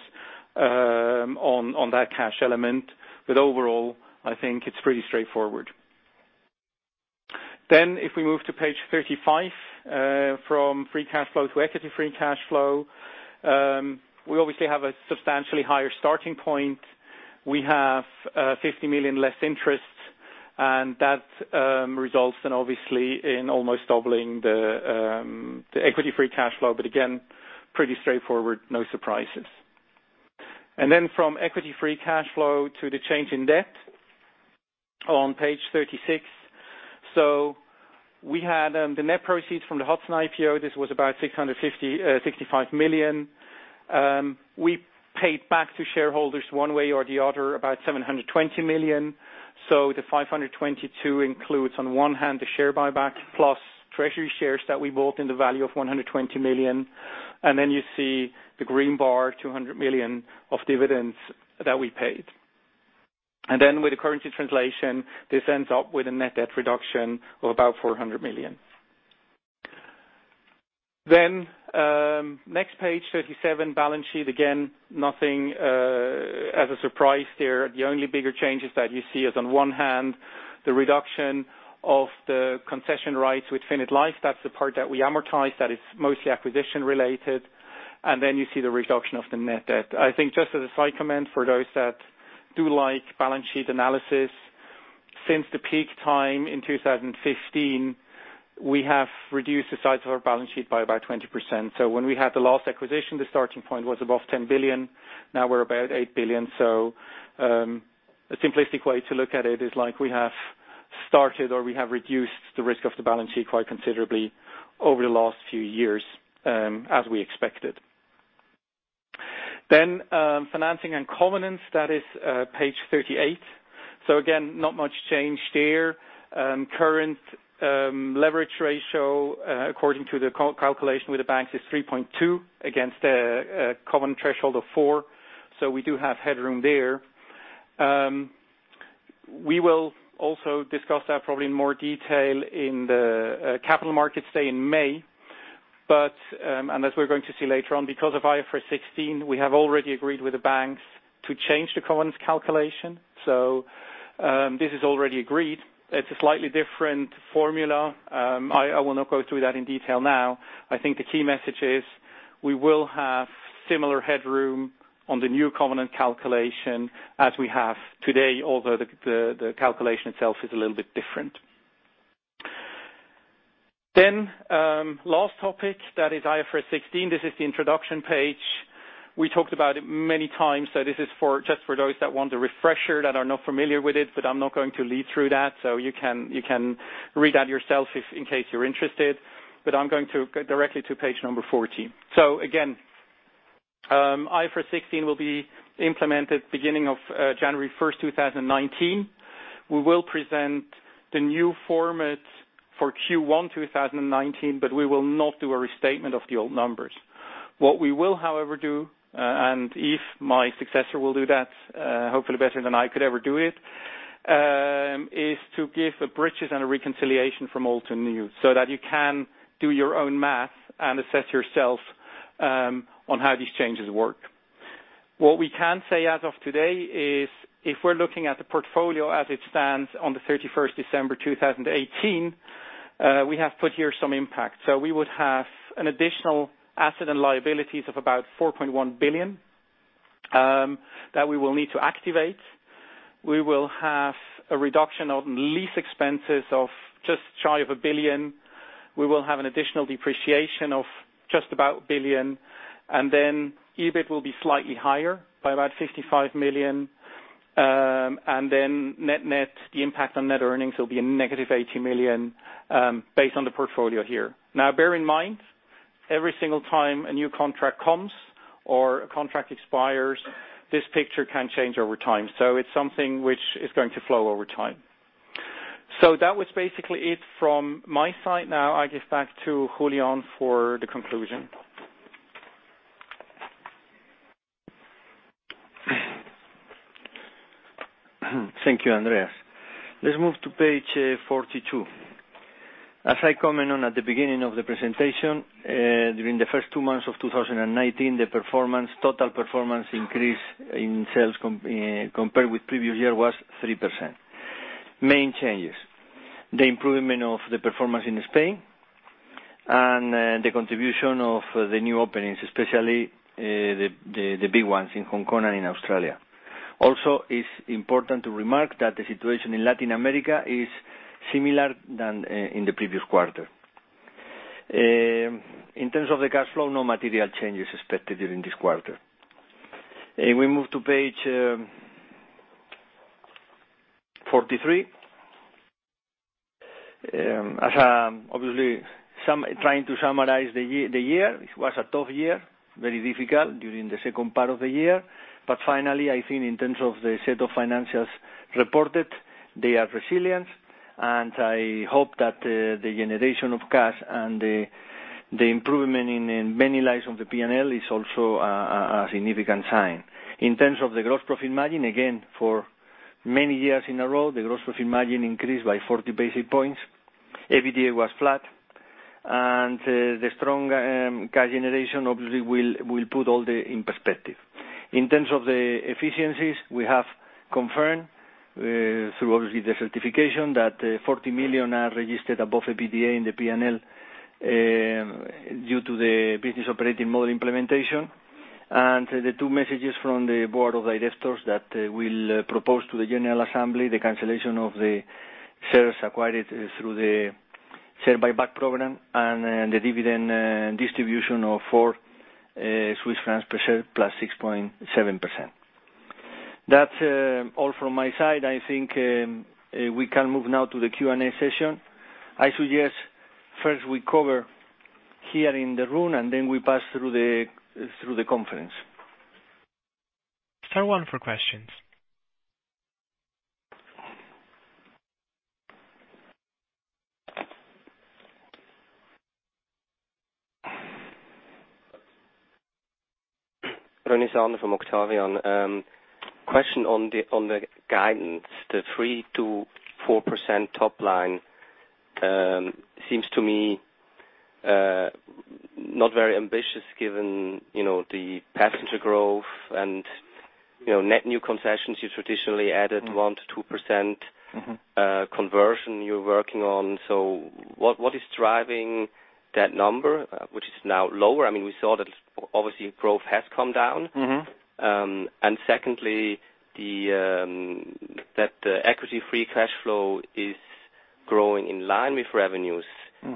Speaker 2: on that cash element. Overall, I think it's pretty straightforward. If we move to page 35, from free cash flow to equity free cash flow, we obviously have a substantially higher starting point. We have 50 million less interest, that results in obviously in almost doubling the equity free cash flow. Again, pretty straightforward, no surprises. From equity free cash flow to the change in debt on page 36. We had the net proceeds from the Hudson IPO. This was about 665 million. We paid back to shareholders one way or the other about 720 million. The 522 includes, on one hand, the share buyback plus Treasury shares that we bought in the value of 120 million. Then you see the green bar, 200 million of dividends that we paid. With the currency translation, this ends up with a net debt reduction of about 400 million. Next page, 37, balance sheet. Again, nothing as a surprise there. The only bigger changes that you see is on one hand, the reduction of the concession rights with finite life. That's the part that we amortize that is mostly acquisition related. Then you see the reduction of the net debt. I think just as a side comment for those that do like balance sheet analysis, since the peak time in 2015, we have reduced the size of our balance sheet by about 20%. When we had the last acquisition, the starting point was above 10 billion. Now we're about 8 billion. A simplistic way to look at it is like we have reduced the risk of the balance sheet quite considerably over the last few years, as we expected. Financing and covenants, that is page 38. Again, not much change there. Current leverage ratio, according to the calculation with the banks, is 3.2 against a covenant threshold of four. We do have headroom there. We will also discuss that probably in more detail in the capital markets day in May. As we're going to see later on, because of IFRS 16, we have already agreed with the banks to change the covenant's calculation. This is already agreed. It's a slightly different formula. I will not go through that in detail now. I think the key message is we will have similar headroom on the new covenant calculation as we have today, although the calculation itself is a little bit different. Last topic, that is IFRS 16. This is the introduction page. We talked about it many times, so this is just for those that want a refresher, that are not familiar with it, but I'm not going to lead through that. You can read that yourself in case you're interested. I'm going directly to page number 14. Again, IFRS 16 will be implemented beginning of January 1st, 2019. We will present the new format for Q1 2019, but we will not do a restatement of the old numbers. What we will, however, do, and if my successor will do that, hopefully better than I could ever do it, is to give the bridges and a reconciliation from old to new so that you can do your own math and assess yourself on how these changes work. What we can say as of today is if we're looking at the portfolio as it stands on the 31st December 2018, we have put here some impact. We would have an additional asset and liabilities of about 4.1 billion that we will need to activate. We will have a reduction on lease expenses of just shy of 1 billion. We will have an additional depreciation of just about 1 billion, and then EBIT will be slightly higher by about 55 million. Net-net, the impact on net earnings will be a negative 18 million based on the portfolio here. Now bear in mind, every single time a new contract comes or a contract expires, this picture can change over time. It's something which is going to flow over time. That was basically it from my side. Now I give back to Julián for the conclusion.
Speaker 1: Thank you, Andreas. Let's move to page 42. As I commented on at the beginning of the presentation, during the first two months of 2019, the total performance increase in sales compared with previous year was 3%. Main changes, the improvement of the performance in Spain and the contribution of the new openings, especially the big ones in Hong Kong and in Australia. Also, it's important to remark that the situation in Latin America is similar than in the previous quarter. In terms of the cash flow, no material change is expected during this quarter. We move to page 43. Obviously, trying to summarize the year. It was a tough year, very difficult during the second part of the year. Finally, I think in terms of the set of financials reported, they are resilient, and I hope that the generation of cash and the improvement in many lines of the P&L is also a significant sign. In terms of the gross profit margin, again, for many years in a row, the gross profit margin increased by 40 basis points. EBITDA was flat, and the strong cash generation obviously will put all the in perspective. In terms of the efficiencies, we have confirmed through obviously the certification that 40 million are registered above EBITDA in the P&L due to the business operating model implementation. The two messages from the board of directors that will propose to the general assembly the cancellation of the shares acquired through the share buyback program and the dividend distribution of 4 Swiss francs per share plus 6.7%. That's all from my side. I think we can move now to the Q&A session. I suggest first we cover here in the room, and then we pass through the conference.
Speaker 3: Star one for questions.
Speaker 4: René Saner from Octavian. Question on the guidance. The 3%-4% top line seems to me not very ambitious given the passenger growth and net new concessions you traditionally added 1%-2% conversion you're working on. What is driving that number, which is now lower? We saw that obviously growth has come down. Secondly, that the equity free cash flow is growing in line with revenues.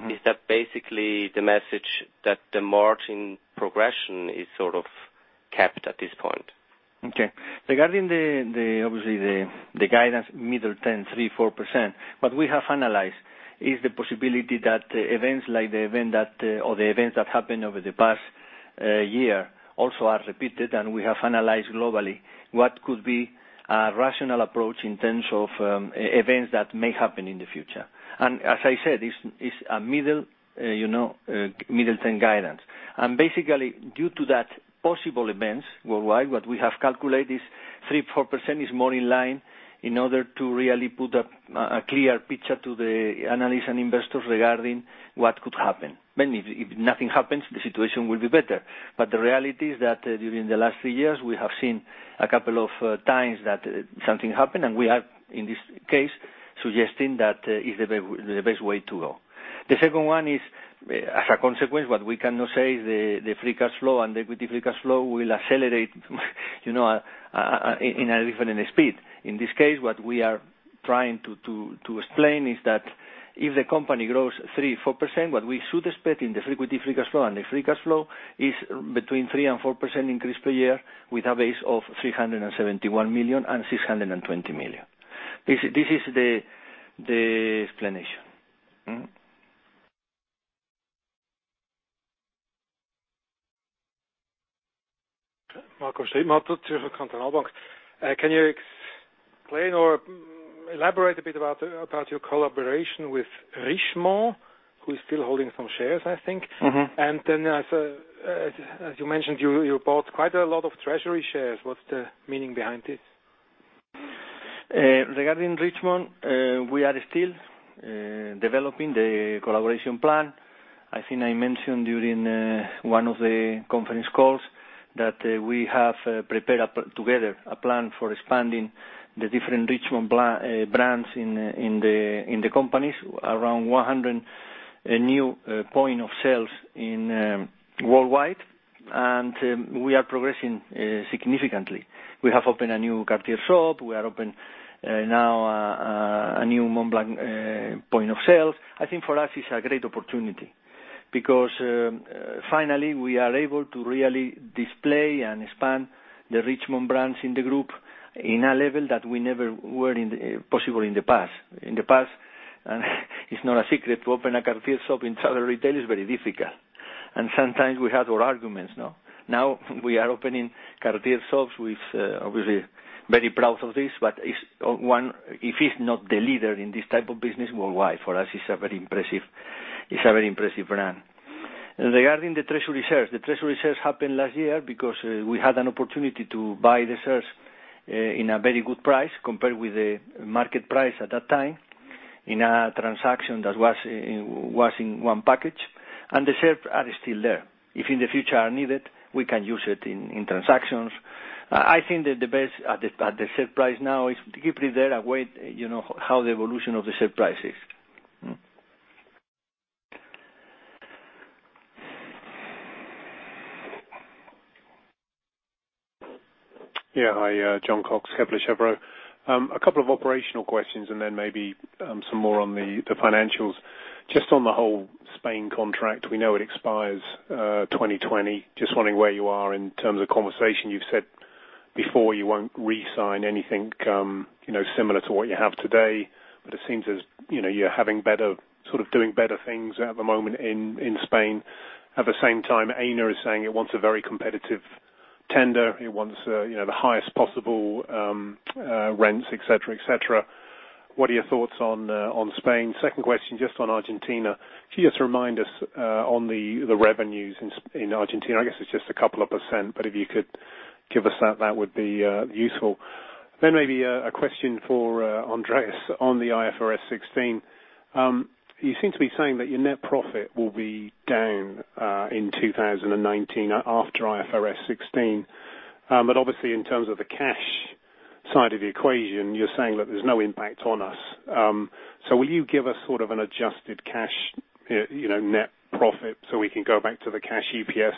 Speaker 4: Is that basically the message that the margin progression is sort of capped at this point?
Speaker 1: Regarding obviously the guidance middle term 3%-4%, what we have analyzed is the possibility that events like the event that, or the events that happened over the past year also are repeated, and we have analyzed globally what could be a rational approach in terms of events that may happen in the future. As I said, it's a middle term guidance. Basically, due to that possible events worldwide, what we have calculated is 3%-4% is more in line in order to really put a clear picture to the analysts and investors regarding what could happen. If nothing happens, the situation will be better. The reality is that during the last three years, we have seen a couple of times that something happened, and we are, in this case, suggesting that is the best way to go. The second one is, as a consequence, what we cannot say is the free cash flow and the equity free cash flow will accelerate in a different speed. In this case, what we are trying to explain is that if the company grows 3%, 4%, what we should expect in the equity free cash flow and the free cash flow is between 3% and 4% increase per year with a base of 371 million and 620 million. This is the explanation.
Speaker 5: Marco Strittmatter, Zürcher Kantonalbank. Can you explain or elaborate a bit about your collaboration with Richemont, who is still holding some shares, I think? As you mentioned, you bought quite a lot of treasury shares. What's the meaning behind this?
Speaker 1: Regarding Richemont, we are still developing the collaboration plan. I think I mentioned during one of the conference calls that we have prepared together a plan for expanding the different Richemont brands in the companies around 100 new point of sales worldwide. We are progressing significantly. We have opened a new Cartier shop. We have opened now a new Montblanc point of sale. I think for us it's a great opportunity because finally we are able to really display and expand the Richemont brands in the group in a level that we never were possible in the past. In the past, it's not a secret, to open a Cartier shop in travel retail is very difficult. Sometimes we had our arguments. Now we are opening Cartier stores with, obviously, very proud of this, but if it's not the leader in this type of business worldwide, for us it's a very impressive brand. Regarding the treasury shares. The treasury shares happened last year because we had an opportunity to buy the shares in a very good price compared with the market price at that time in a transaction that was in one package, and the shares are still there. If in the future are needed, we can use it in transactions. I think that the best at the share price now is to keep it there and wait how the evolution of the share price is.
Speaker 6: Hi, Jon Cox, Kepler Cheuvreux. A couple of operational questions and then maybe some more on the financials. Just on the whole Spain contract, we know it expires 2020. Just wondering where you are in terms of conversation. You've said before you won't re-sign anything similar to what you have today, but it seems as you're having better, sort of doing better things at the moment in Spain. At the same time, Aena is saying it wants a very competitive tender. It wants the highest possible rents, et cetera. What are your thoughts on Spain? Second question, just on Argentina. Can you just remind us on the revenues in Argentina? I guess it's just a couple of percent, but if you could give us that would be useful. Then maybe a question for Andreas on the IFRS 16. You seem to be saying that your net profit will be down in 2019 after IFRS 16. Obviously in terms of the cash side of the equation, you're saying that there's no impact on us. Will you give us sort of an adjusted cash net profit so we can go back to the Cash EPS,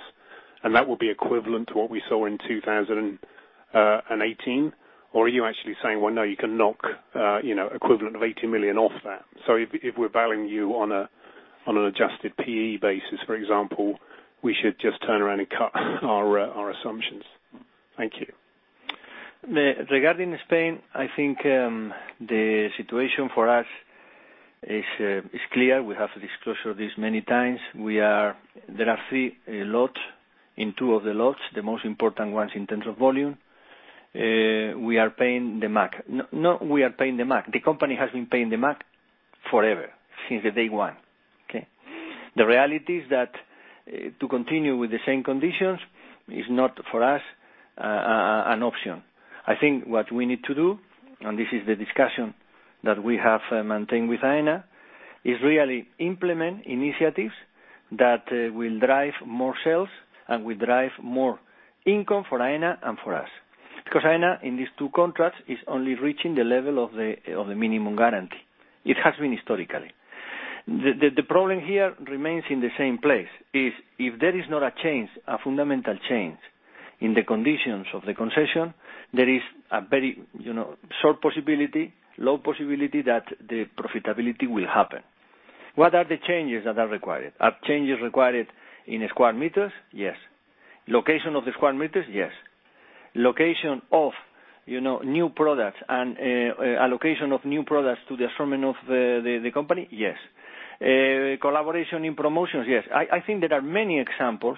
Speaker 6: and that will be equivalent to what we saw in 2018? Or are you actually saying, well, no, you can knock equivalent of 80 million off that? If we're valuing you on an adjusted PE basis, for example, we should just turn around and cut our assumptions. Thank you.
Speaker 1: Regarding Spain, I think the situation for us is clear. We have disclosed this many times. There are three lots. In two of the lots, the most important ones in terms of volume, we are paying the MAG. Not we are paying the MAG. The company has been paying the MAG forever, since the day one. Okay? The reality is that to continue with the same conditions is not for us an option. I think what we need to do, and this is the discussion that we have maintained with Aena, is really implement initiatives that will drive more sales and will drive more income for Aena and for us. Because Aena, in these two contracts, is only reaching the level of the minimum guarantee. It has been historically. The problem here remains in the same place. If there is not a change, a fundamental change in the conditions of the concession, there is a very short possibility, low possibility that the profitability will happen. What are the changes that are required? Are changes required in square meters? Yes. Location of the square meters? Yes. Location of new products and allocation of new products to the assortment of the company? Yes. Collaboration in promotions? Yes. I think there are many examples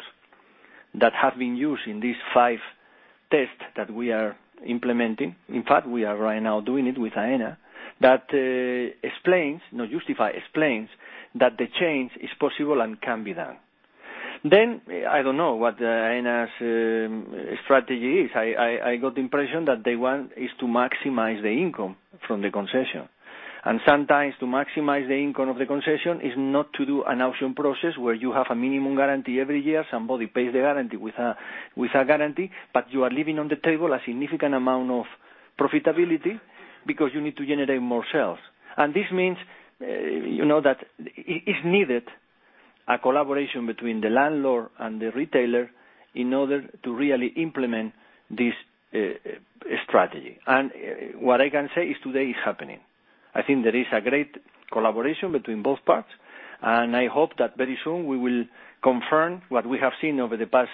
Speaker 1: that have been used in these five tests that we are implementing. In fact, we are right now doing it with Aena. That explains, not justify, explains that the change is possible and can be done. I don't know what Aena's strategy is. I got the impression that they want is to maximize the income from the concession. Sometimes to maximize the income of the concession is not to do an auction process where you have a minimum guarantee every year. Somebody pays the guarantee with a guarantee, but you are leaving on the table a significant amount of profitability because you need to generate more sales. This means that is needed a collaboration between the landlord and the retailer in order to really implement this strategy. What I can say is today it's happening. I think there is a great collaboration between both parts, and I hope that very soon we will confirm what we have seen over the past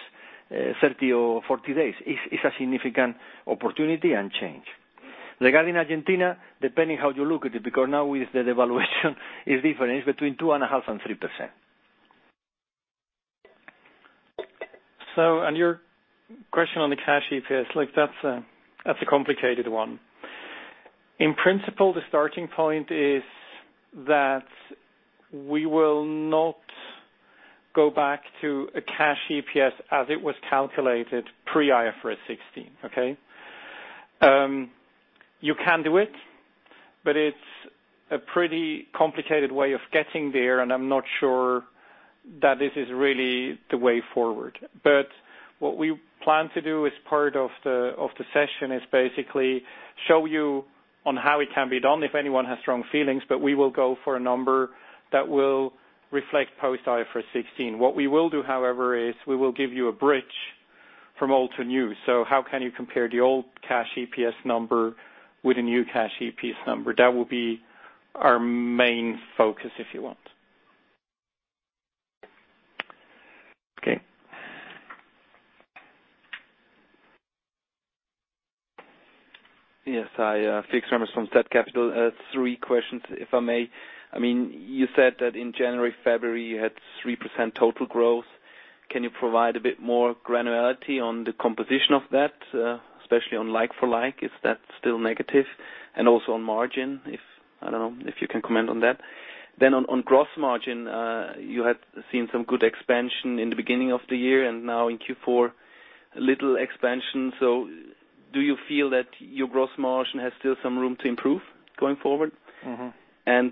Speaker 1: 30 or 40 days. It's a significant opportunity and change. Regarding Argentina, depending how you look at it, because now with the devaluation is different, it's between 2.5% and 3%.
Speaker 2: On your question on the Cash EPS, that's a complicated one. In principle, the starting point is that we will not go back to a Cash EPS as it was calculated pre IFRS 16. Okay? You can do it, but it's a pretty complicated way of getting there, and I'm not sure that this is really the way forward. What we plan to do as part of the session is basically show you on how it can be done, if anyone has strong feelings, but we will go for a number that will reflect post IFRS 16. What we will do, however, is we will give you a bridge from old to new. How can you compare the old Cash EPS number with a new Cash EPS number? That will be our main focus if you want.
Speaker 6: Okay.
Speaker 7: Yes. Hi, Fix Hermis from Set Capital. three questions, if I may. You said that in January, February, you had 3% total growth. Can you provide a bit more granularity on the composition of that, especially on like-for-like? Is that still negative? Also on margin, I don't know if you can comment on that. On gross margin, you had seen some good expansion in the beginning of the year, and now in Q4, little expansion. Do you feel that your gross margin has still some room to improve going forward?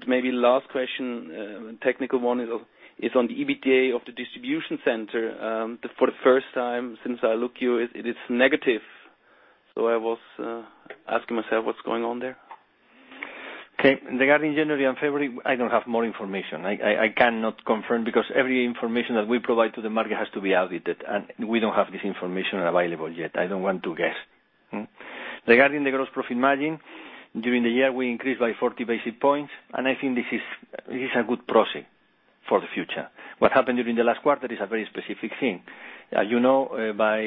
Speaker 7: Maybe last question, a technical one, is on the EBITDA of the distribution center. For the first time since I look you, it is negative. I was asking myself what's going on there.
Speaker 1: Okay. Regarding January and February, I don't have more information. I cannot confirm because every information that we provide to the market has to be audited, and we don't have this information available yet. I don't want to guess. Regarding the gross profit margin, during the year, we increased by 40 basis points, and I think this is a good process for the future. What happened during the last quarter is a very specific thing. As you know, by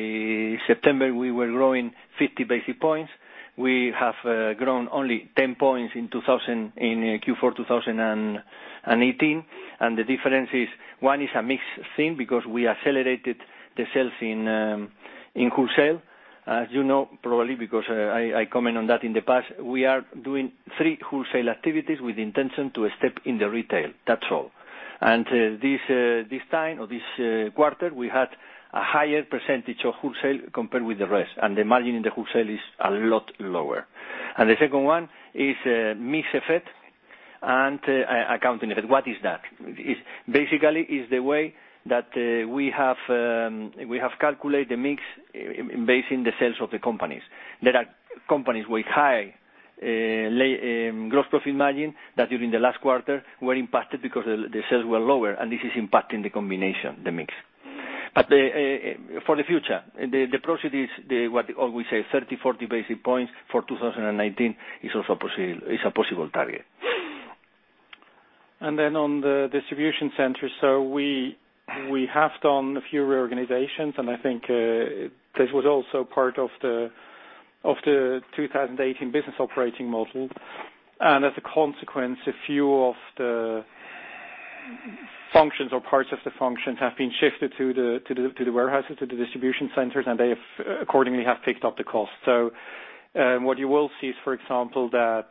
Speaker 1: September, we were growing 50 basis points. We have grown only 10 points in Q4 2018, and the difference is, one is a mix thing because we accelerated the sales in wholesale. As you know, probably because I comment on that in the past, we are doing three wholesale activities with intention to a step in the retail. That's all. This time or this quarter, we had a higher percentage of wholesale compared with the rest, and the margin in the wholesale is a lot lower. The second one is mix effect and accounting effect. What is that? Basically, it is the way that we have calculated the mix based in the sales of the companies. There are companies with high gross profit margin that during the last quarter were impacted because the sales were lower, and this is impacting the combination, the mix. For the future, the process is what we say, 30, 40 basis points for 2019 is a possible target. On the distribution center, we have done a few reorganizations, and I think this was also part of the 2018 business operating model.
Speaker 2: As a consequence, a few of the functions or parts of the functions have been shifted to the warehouses, to the distribution centers, and they accordingly have picked up the cost. What you will see is, for example, that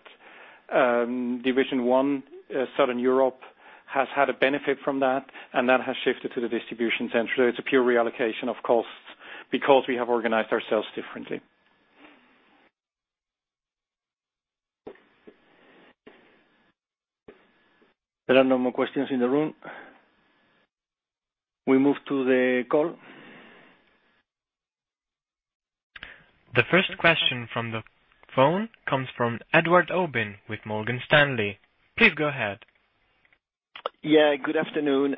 Speaker 2: division one, Southern Europe, has had a benefit from that, and that has shifted to the distribution center. It's a pure reallocation of costs because we have organized ourselves differently.
Speaker 1: There are no more questions in the room. We move to the call.
Speaker 3: The first question from the phone comes from Edouard Aubin with Morgan Stanley. Please go ahead.
Speaker 8: Good afternoon.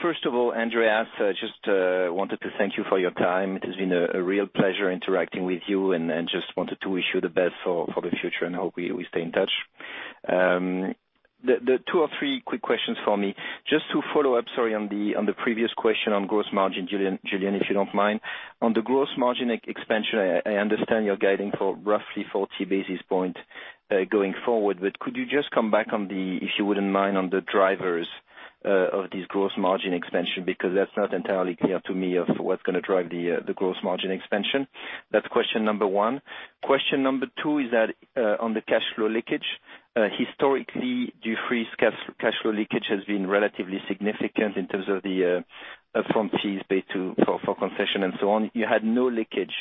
Speaker 8: First of all, Andreas, just wanted to thank you for your time. It has been a real pleasure interacting with you and just wanted to wish you the best for the future and hope we stay in touch. The two or three quick questions for me, just to follow up, sorry, on the previous question on gross margin, Julián, if you don't mind. On the gross margin expansion, I understand you're guiding for roughly 40 basis points going forward, could you just come back on the, if you wouldn't mind, on the drivers of this gross margin expansion? Because that's not entirely clear to me of what's going to drive the gross margin expansion. That's question number one. Question number two is that on the cash flow leakage. Historically, Dufry's cash flow leakage has been relatively significant in terms of the upfront fees paid for concession and so on. You had no leakage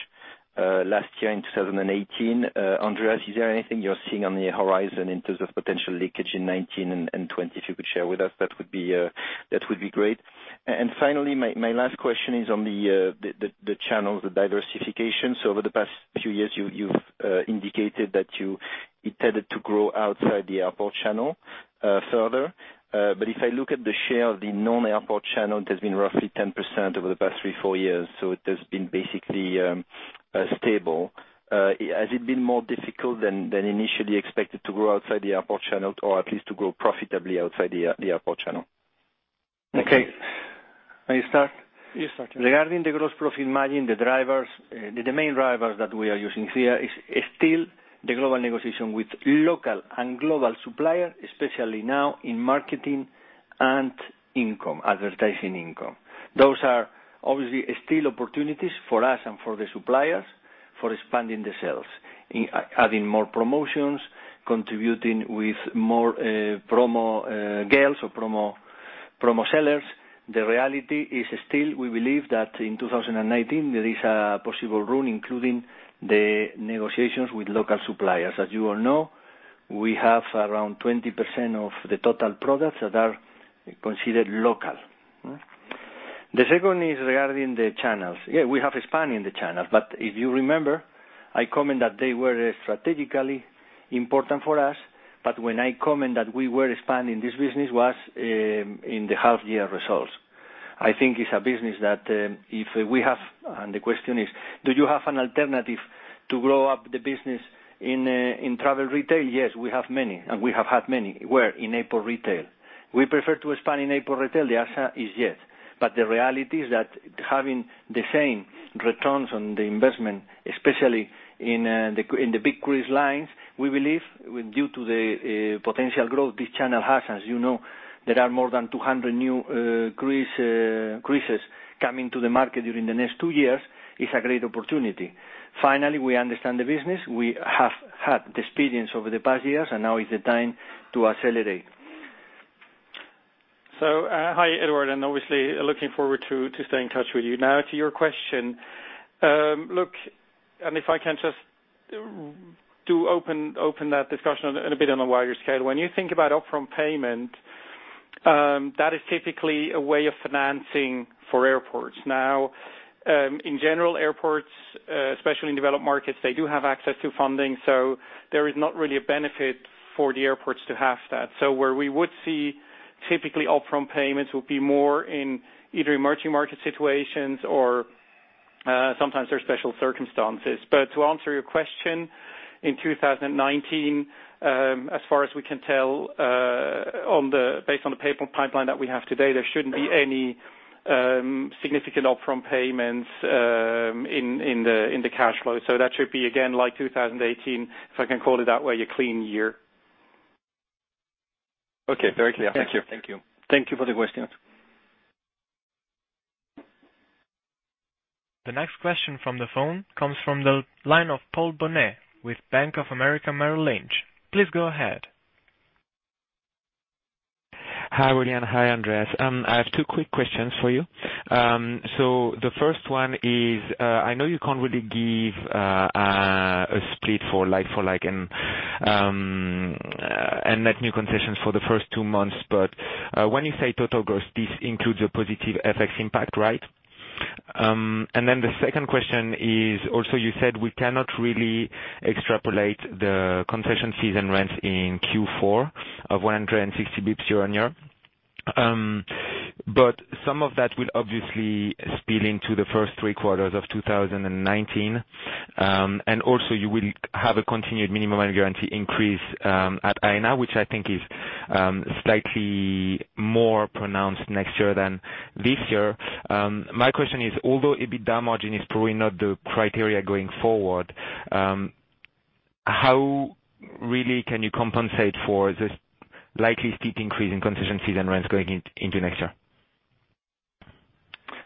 Speaker 8: last year in 2018. Andreas, is there anything you're seeing on the horizon in terms of potential leakage in 2019 and 2020? If you could share with us, that would be great. Finally, my last question is on the channels, the diversification. Over the past few years, you've indicated that you intended to grow outside the airport channel further. If I look at the share of the non-airport channel, it has been roughly 10% over the past three, four years, so it has been basically stable. Has it been more difficult than initially expected to grow outside the airport channel, or at least to grow profitably outside the airport channel?
Speaker 1: Okay. I start?
Speaker 2: You start.
Speaker 1: Regarding the gross profit margin, the main drivers that we are using here is still the global negotiation with local and global supplier, especially now in marketing and income, advertising income. Those are obviously still opportunities for us and for the suppliers for expanding the sales, adding more promotions, contributing with more promo gals or promo sellers. The reality is still we believe that in 2019, there is a possible room, including the negotiations with local suppliers. As you all know, we have around 20% of the total products that are considered local. The second is regarding the channels. Yeah, we have expanded the channels, but if you remember, I comment that they were strategically important for us, but when I comment that we were expanding this business was in the half year results. I think it's a business that and the question is: Do you have an alternative to grow up the business in travel retail? Yes, we have many, and we have had many. Where? In airport retail. We prefer to expand in airport retail. The answer is yes. The reality is that having the same returns on the investment, especially in the big cruise lines, we believe due to the potential growth this channel has, as you know, there are more than 200 new cruises coming to the market during the next two years, it's a great opportunity. Finally, we understand the business. We have had the experience over the past years, and now is the time to accelerate.
Speaker 2: Hi, Edouard, obviously looking forward to stay in touch with you. To your question. If I can just open that discussion in a bit on a wider scale. When you think about upfront payment, that is typically a way of financing for airports. In general, airports, especially in developed markets, they do have access to funding, so there is not really a benefit for the airports to have that. Where we would see typically upfront payments would be more in either emerging market situations or sometimes there is special circumstances. To answer your question, in 2019, as far as we can tell, based on the payment pipeline that we have today, there shouldn't be any significant upfront payments in the cash flow. That should be, again, like 2018, if I can call it that way, a clean year.
Speaker 8: Very clear. Thank you.
Speaker 1: Thank you. Thank you for the questions.
Speaker 3: The next question from the phone comes from the line of Paul Bonnet with Bank of America Merrill Lynch. Please go ahead.
Speaker 9: Hi, Julián. Hi, Andreas. I have two quick questions for you. The first one is, I know you can't really give a split for like for like, and net new concessions for the first two months, but when you say total gross, this includes a positive FX impact, right? The second question is also you said we cannot really extrapolate the concession season rents in Q4 of 160 basis points year-over-year. Some of that will obviously spill into the first three quarters of 2019. Also you will have a continued minimum annual guarantee increase at Aena, which I think is slightly more pronounced next year than this year. My question is, although EBITDA margin is probably not the criteria going forward, how really can you compensate for this likely steep increase in concession fees and rents going into next year?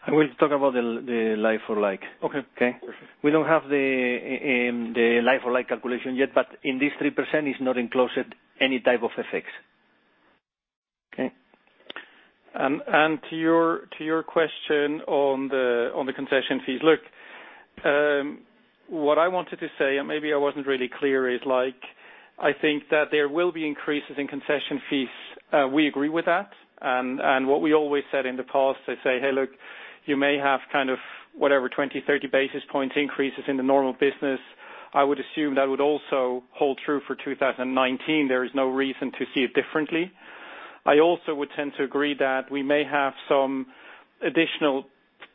Speaker 1: I will talk about the like for like.
Speaker 9: Okay.
Speaker 1: Okay. We don't have the like for like calculation yet, in this 3% is not enclosed any type of FX.
Speaker 2: Okay. To your question on the concession fees. What I wanted to say, and maybe I wasn't really clear, is I think that there will be increases in concession fees. We agree with that. What we always said in the past is say, hey, look, you may have kind of whatever, 20, 30 basis points increases in the normal business. I would assume that would also hold true for 2019. There is no reason to see it differently. I also would tend to agree that we may have some additional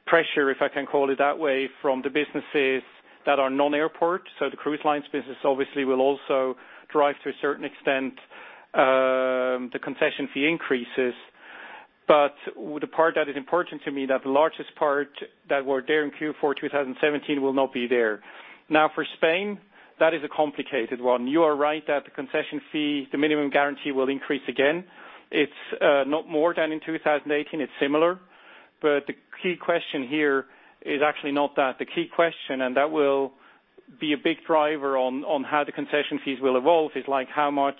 Speaker 2: pressure, if I can call it that way, from the businesses that are non-airport. The cruise lines business obviously will also drive, to a certain extent, the concession fee increases. The part that is important to me, that the largest part that were there in Q4 2017 will not be there. For Spain, that is a complicated one. You are right that the concession fee, the minimum guarantee, will increase again. It's not more than in 2018. It's similar. The key question here is actually not that. The key question, and that will be a big driver on how the concession fees will evolve, is how much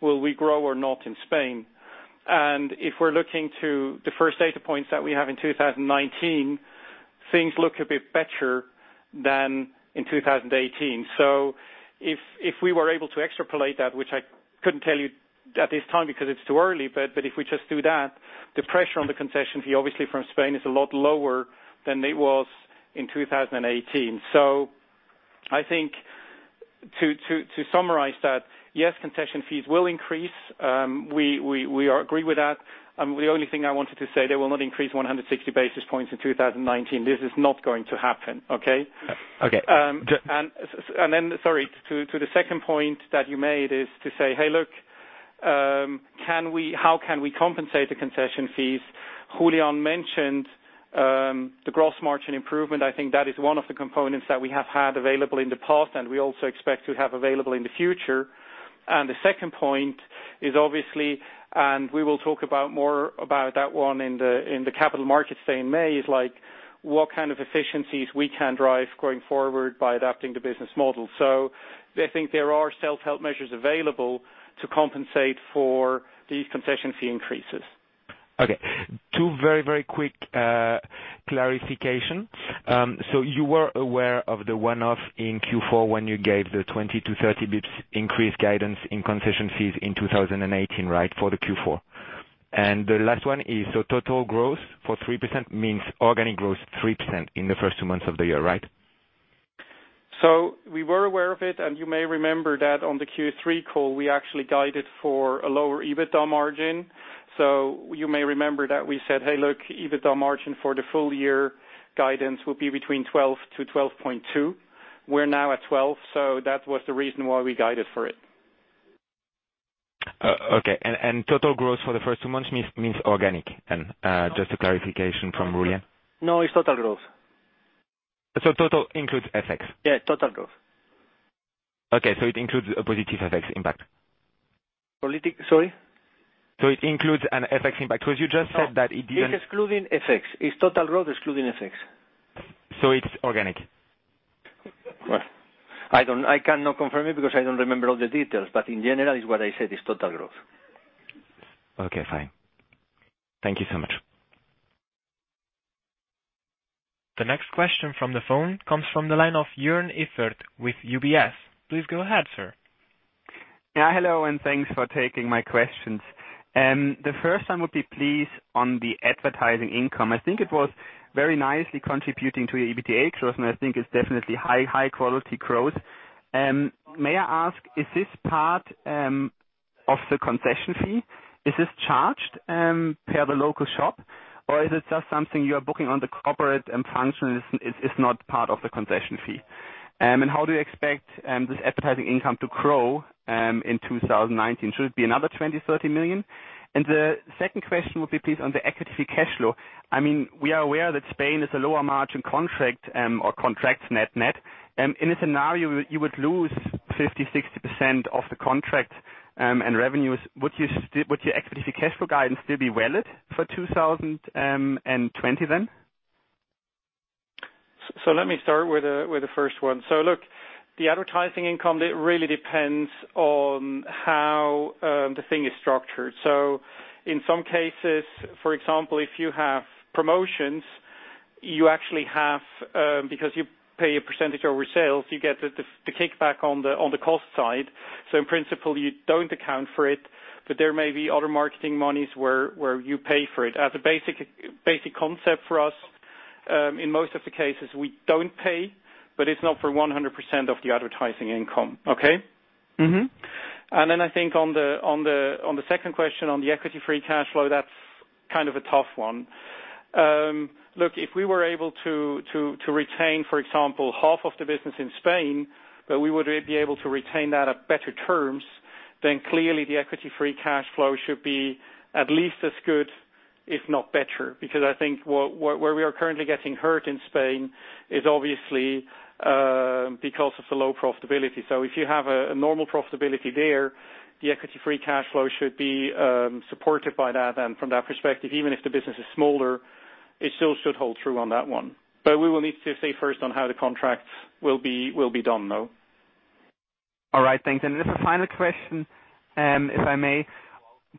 Speaker 2: will we grow or not in Spain? If we're looking to the first data points that we have in 2019, things look a bit better than in 2018. If we were able to extrapolate that, which I couldn't tell you at this time because it's too early, but if we just do that, the pressure on the concession fee, obviously from Spain, is a lot lower than it was in 2018. I think to summarize that, yes, concession fees will increase. We agree with that. The only thing I wanted to say, they will not increase 160 basis points in 2019. This is not going to happen. Okay.
Speaker 9: Okay.
Speaker 2: Sorry, to the second point that you made is to say, hey, look, how can we compensate the concession fees? Julián mentioned the gross margin improvement. I think that is one of the components that we have had available in the past, and we also expect to have available in the future. The second point is obviously, and we will talk about more about that one in the capital markets day in May, is what kind of efficiencies we can drive going forward by adapting the business model. I think there are self-help measures available to compensate for these concession fee increases.
Speaker 9: Okay. Two very quick clarification. You were aware of the one-off in Q4 when you gave the 20 to 30 basis points increase guidance in concession fees in 2018, right? For the Q4. The last one is, total growth for 3% means organic growth 3% in the first two months of the year, right?
Speaker 2: We were aware of it, you may remember that on the Q3 call, we actually guided for a lower EBITDA margin. You may remember that we said, hey, look, EBITDA margin for the full year guidance will be between 12%-12.2%. We are now at 12%, that was the reason why we guided for it.
Speaker 9: Okay. Total growth for the first two months means organic? Just a clarification from Julián.
Speaker 1: No, it is total growth.
Speaker 9: Total includes FX?
Speaker 1: Yeah, total growth.
Speaker 9: It includes a positive FX impact.
Speaker 1: Sorry?
Speaker 9: It includes an FX impact, because you just said that it didn't.
Speaker 1: It's excluding FX. It's total growth excluding FX.
Speaker 9: It's organic.
Speaker 1: Well, I cannot confirm it because I don't remember all the details, but in general, what I said is total growth.
Speaker 9: Okay, fine. Thank you so much.
Speaker 3: The next question from the phone comes from the line of Joern Iffert with UBS. Please go ahead, sir.
Speaker 10: Hello, and thanks for taking my questions. The first one would be please, on the advertising income. I think it was very nicely contributing to your EBITDA growth, and I think it is definitely high quality growth. May I ask, is this part of the concession fee? Is this charged per the local shop, or is it just something you are booking on the corporate and function. It is not part of the concession fee? How do you expect this advertising income to grow in 2019? Should it be another 20 million, 30 million? The second question would be, please, on the equity free cash flow. We are aware that Spain is a lower margin contract or contracts net net. In a scenario, you would lose 50%, 60% of the contract and revenues. Would your equity free cash flow guidance still be valid for 2020 then?
Speaker 2: Let me start with the first one. Look, the advertising income, it really depends on how the thing is structured. In some cases, for example, if you have promotions, you actually have, because you pay a percentage over sales, you get the kickback on the cost side. In principle, you do not account for it, but there may be other marketing monies where you pay for it. As a basic concept for us, in most of the cases, we do not pay, but it is not for 100% of the advertising income. Okay? Then I think on the second question on the equity free cash flow, that's kind of a tough one. Look, if we were able to retain, for example, half of the business in Spain, but we would be able to retain that at better terms, then clearly the equity free cash flow should be at least as good, if not better, because I think where we are currently getting hurt in Spain is obviously because of the low profitability. If you have a normal profitability there, the equity free cash flow should be supported by that then from that perspective. Even if the business is smaller, it still should hold through on that one. We will need to see first on how the contracts will be done, though.
Speaker 10: All right. Thanks. The final question, if I may.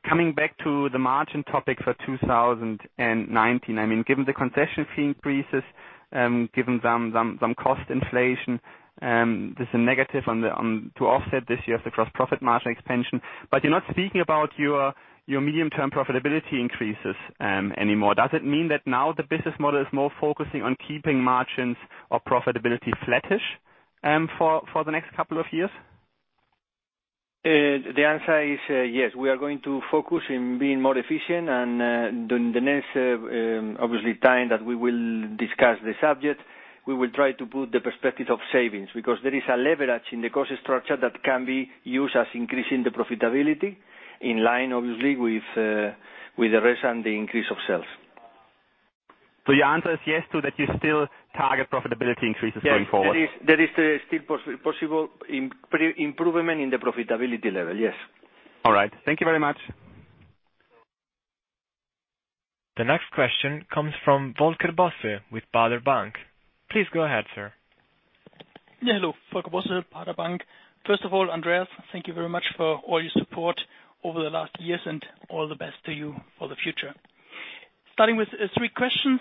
Speaker 10: Coming back to the margin topic for 2019, given the concession fee increases, given some cost inflation, there's a negative to offset this year of the gross profit margin expansion. You're not speaking about your medium-term profitability increases anymore. Does it mean that now the business model is more focusing on keeping margins or profitability flattish for the next couple of years?
Speaker 1: The answer is yes. We are going to focus in being more efficient and the next, obviously, time that we will discuss the subject, we will try to put the perspective of savings because there is a leverage in the cost structure that can be used as increasing the profitability in line, obviously, with the rest and the increase of sales.
Speaker 10: Your answer is yes to that you still target profitability increases going forward?
Speaker 1: Yes. There is still possible improvement in the profitability level, yes.
Speaker 10: All right. Thank you very much.
Speaker 3: The next question comes from Volker Bosse with Baader Bank. Please go ahead, sir.
Speaker 11: Hello. Volker Bosse, Baader Bank. First of all, Andreas, thank you very much for all your support over the last years, and all the best to you for the future. Starting with three questions.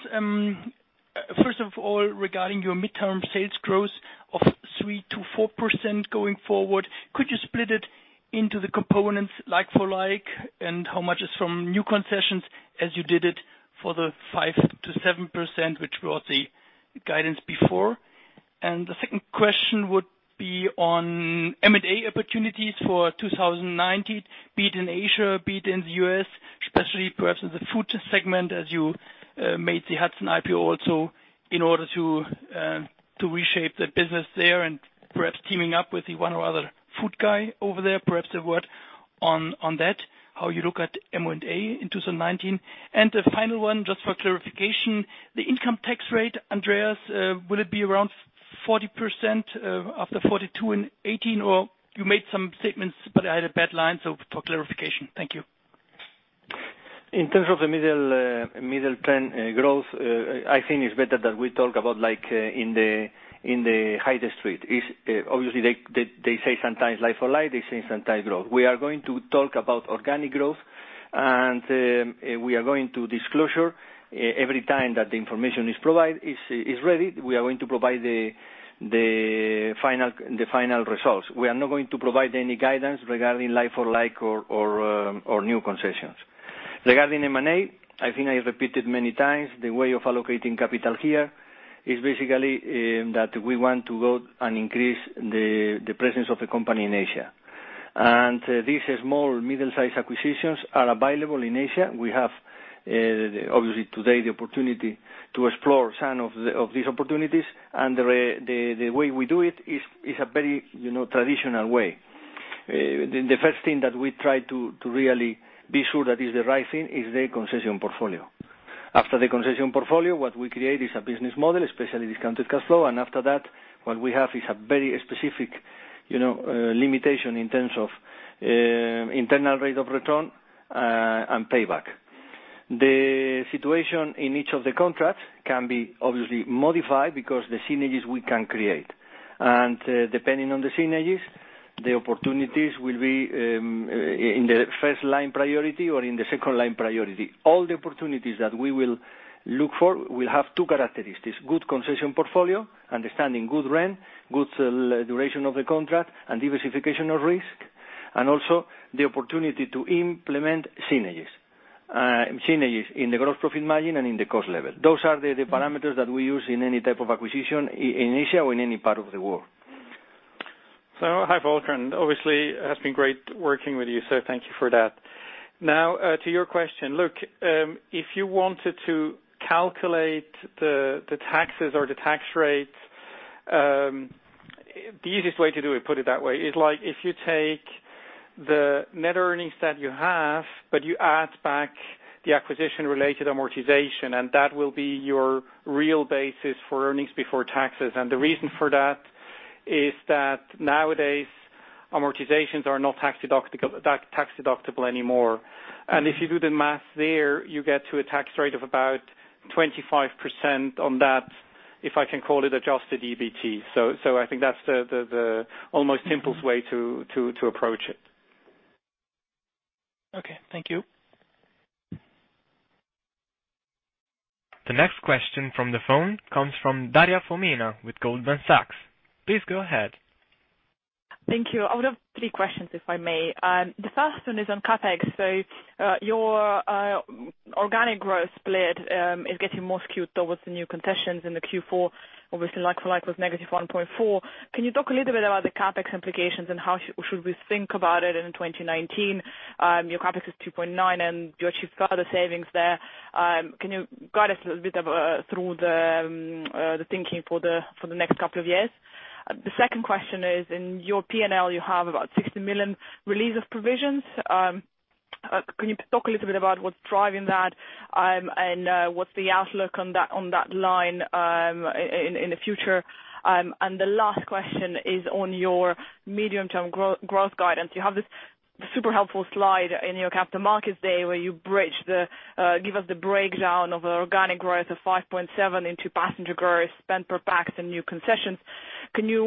Speaker 11: First of all, regarding your midterm sales growth of 3%-4% going forward, could you split it into the components like for like, and how much is from new concessions as you did it for the 5%-7%, which was the guidance before? The second question would be on M&A opportunities for 2019, be it in Asia, be it in the U.S., especially perhaps in the food segment as you made the Hudson IPO also in order to reshape the business there and perhaps teaming up with the one or other food guy over there. Perhaps a word on that, how you look at M&A in 2019. The final one, just for clarification, the income tax rate, Andreas, will it be around 40% after 42 in 2018, or you made some statements, but I had a bad line. For clarification. Thank you.
Speaker 1: In terms of the middle plan growth, I think it's better that we talk about like in the high street. Obviously, they say sometimes like for like, they say sometimes growth. We are going to talk about organic growth, and we are going to disclosure every time that the information is ready, we are going to provide the final results. We are not going to provide any guidance regarding like for like or new concessions. Regarding M&A, I think I repeated many times, the way of allocating capital here is basically that we want to go and increase the presence of the company in Asia. And these small, middle-size acquisitions are available in Asia. We have, obviously today, the opportunity to explore some of these opportunities. The way we do it is a very traditional way. The first thing that we try to really be sure that is the right thing is the concession portfolio. After the concession portfolio, what we create is a business model, especially discounted cash flow. After that, what we have is a very specific limitation in terms of internal rate of return and payback. The situation in each of the contracts can be obviously modified because the synergies we can create. Depending on the synergies, the opportunities will be in the first-line priority or in the second-line priority. All the opportunities that we will look for will have two characteristics, good concession portfolio, understanding good rent, good duration of the contract, and diversification of risk, and also the opportunity to implement synergies. Synergies in the gross profit margin and in the cost level. Those are the parameters that we use in any type of acquisition in Asia or in any part of the world.
Speaker 2: Hi, Volker, obviously it has been great working with you, so thank you for that. To your question. If you wanted to calculate the taxes or the tax rates, the easiest way to do it, put it that way, is if you take the net earnings that you have, you add back the acquisition-related amortization, that will be your real basis for earnings before taxes. The reason for that is that nowadays, amortizations are not tax-deductible anymore. If you do the math there, you get to a tax rate of about 25% on that, if I can call it adjusted EBT. I think that's the almost simplest way to approach it.
Speaker 11: Okay. Thank you.
Speaker 3: The next question from the phone comes from Daria Fomina with Goldman Sachs. Please go ahead.
Speaker 12: Thank you. I would have three questions, if I may. The first one is on CapEx. Your organic growth split is getting more skewed towards the new concessions in the Q4. Obviously like-for-like was -1.4%. Can you talk a little bit about the CapEx implications and how should we think about it in 2019? Your CapEx is 2.9, and you achieved further savings there. Can you guide us a little bit through the thinking for the next couple of years? The second question is, in your P&L you have about 60 million release of provisions. What's the outlook on that line in the future? The last question is on your medium-term growth guidance. You have this super helpful slide in your capital markets day where you bridge, give us the breakdown of organic growth of 5.7% into passenger growth, spend per pax and new concessions. Can you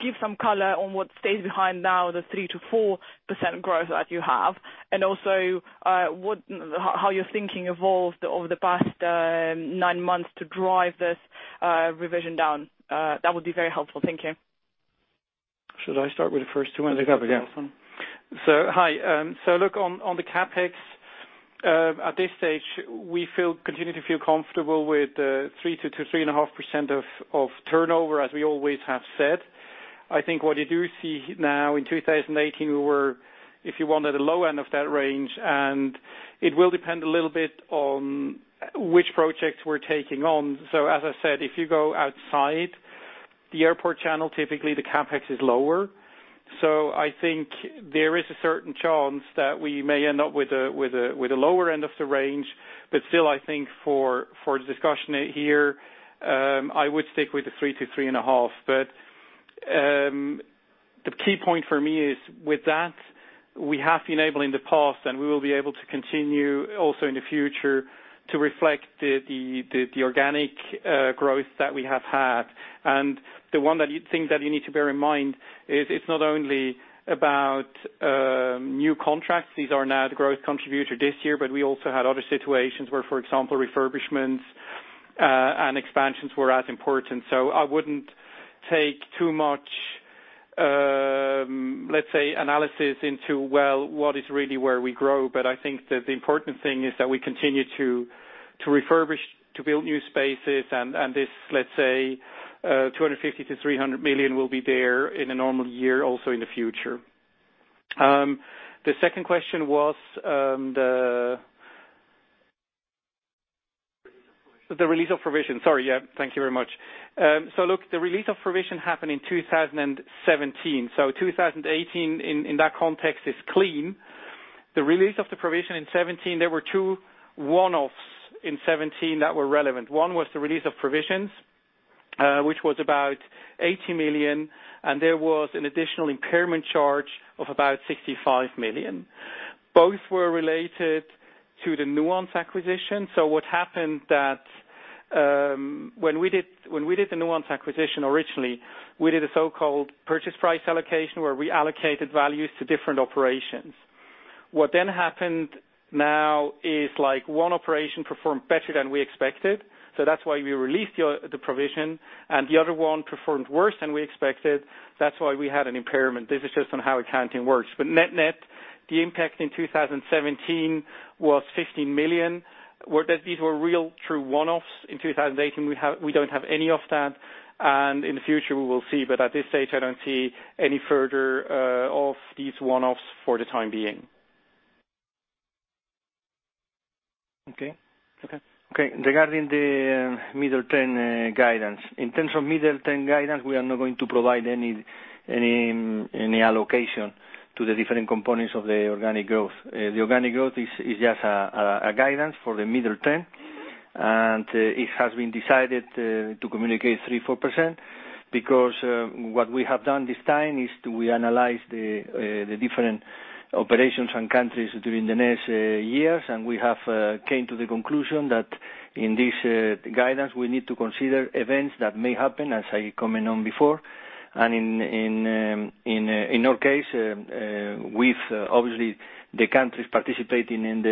Speaker 12: give some color on what stays behind now, the 3% to 4% growth that you have? Also, how your thinking evolved over the past nine months to drive this revision down. That would be very helpful. Thank you.
Speaker 1: Should I start with the first two and then Volker?
Speaker 2: I think I begin. Hi. Look on the CapEx. At this stage, we continue to feel comfortable with 3%-3.5% of turnover, as we always have said. I think what you do see now in 2018, we were, if you want, at the low end of that range, and it will depend a little bit on which projects we're taking on. As I said, if you go outside the airport channel, typically the CapEx is lower. I think there is a certain chance that we may end up with the lower end of the range. Still, I think for the discussion here, I would stick with the 3%-3.5%. The key point for me is with that, we have been able in the past, and we will be able to continue also in the future to reflect the organic growth that we have had. The one thing that you need to bear in mind is it's not only about new contracts. These are now the growth contributor this year, but we also had other situations where, for example, refurbishments, and expansions were as important. I wouldn't take too much, let's say, analysis into, well, what is really where we grow. I think that the important thing is that we continue to refurbish, to build new spaces, and this, let's say, 250 million-300 million will be there in a normal year, also in the future. The second question was.
Speaker 1: Release of provision.
Speaker 2: The release of provision. Sorry. Thank you very much. Look, the release of provision happened in 2017. 2018, in that context, is clean. The release of the provision in 2017, there were two one-offs in 2017 that were relevant. One was the release of provisions, which was about 80 million, and there was an additional impairment charge of about 65 million. Both were related to the Nuance acquisition. What happened that, when we did the Nuance acquisition originally, we did a so-called purchase price allocation where we allocated values to different operations. What happened now is one operation performed better than we expected, so that's why we released the provision, and the other one performed worse than we expected. That's why we had an impairment. This is just on how accounting works. Net-net, the impact in 2017 was 15 million. These were real true one-offs. In 2018, we don't have any of that, and in the future, we will see. At this stage, I don't see any further of these one-offs for the time being.
Speaker 1: Okay. Regarding the middle term guidance. In terms of middle term guidance, we are not going to provide any allocation to the different components of the organic growth. The organic growth is just a guidance for the middle term, and it has been decided to communicate 3%-4%, because what we have done this time is we analyzed the different operations and countries during the next years, and we have came to the conclusion that in this guidance, we need to consider events that may happen, as I comment on before. In our case, with obviously the countries participating in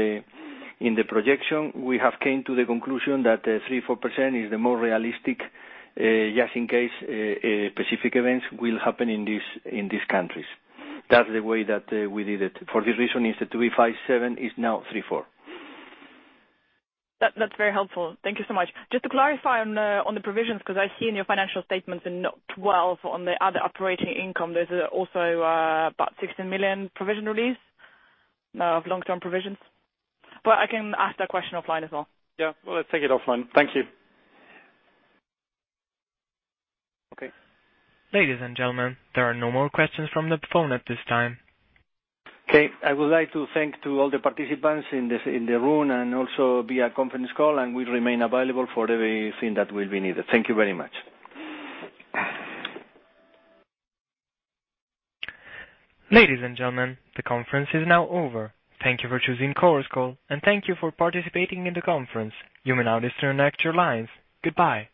Speaker 1: the projection, we have came to the conclusion that 3%-4% is the more realistic, just in case specific events will happen in these countries. That's the way that we did it. For this reason, is the three five seven is now three four.
Speaker 12: That's very helpful. Thank you so much. Just to clarify on the provisions, because I see in your financial statements in note 12 on the other operating income, there's also about 16 million provision release of long-term provisions. I can ask that question offline as well.
Speaker 2: Yeah. Well, let's take it offline. Thank you.
Speaker 1: Okay.
Speaker 3: Ladies and gentlemen, there are no more questions from the phone at this time.
Speaker 1: Okay, I would like to thank to all the participants in the room and also via conference call, and we remain available for everything that will be needed. Thank you very much.
Speaker 3: Ladies and gentlemen, the conference is now over. Thank you for choosing Chorus Call, and thank you for participating in the conference. You may now disconnect your lines. Goodbye.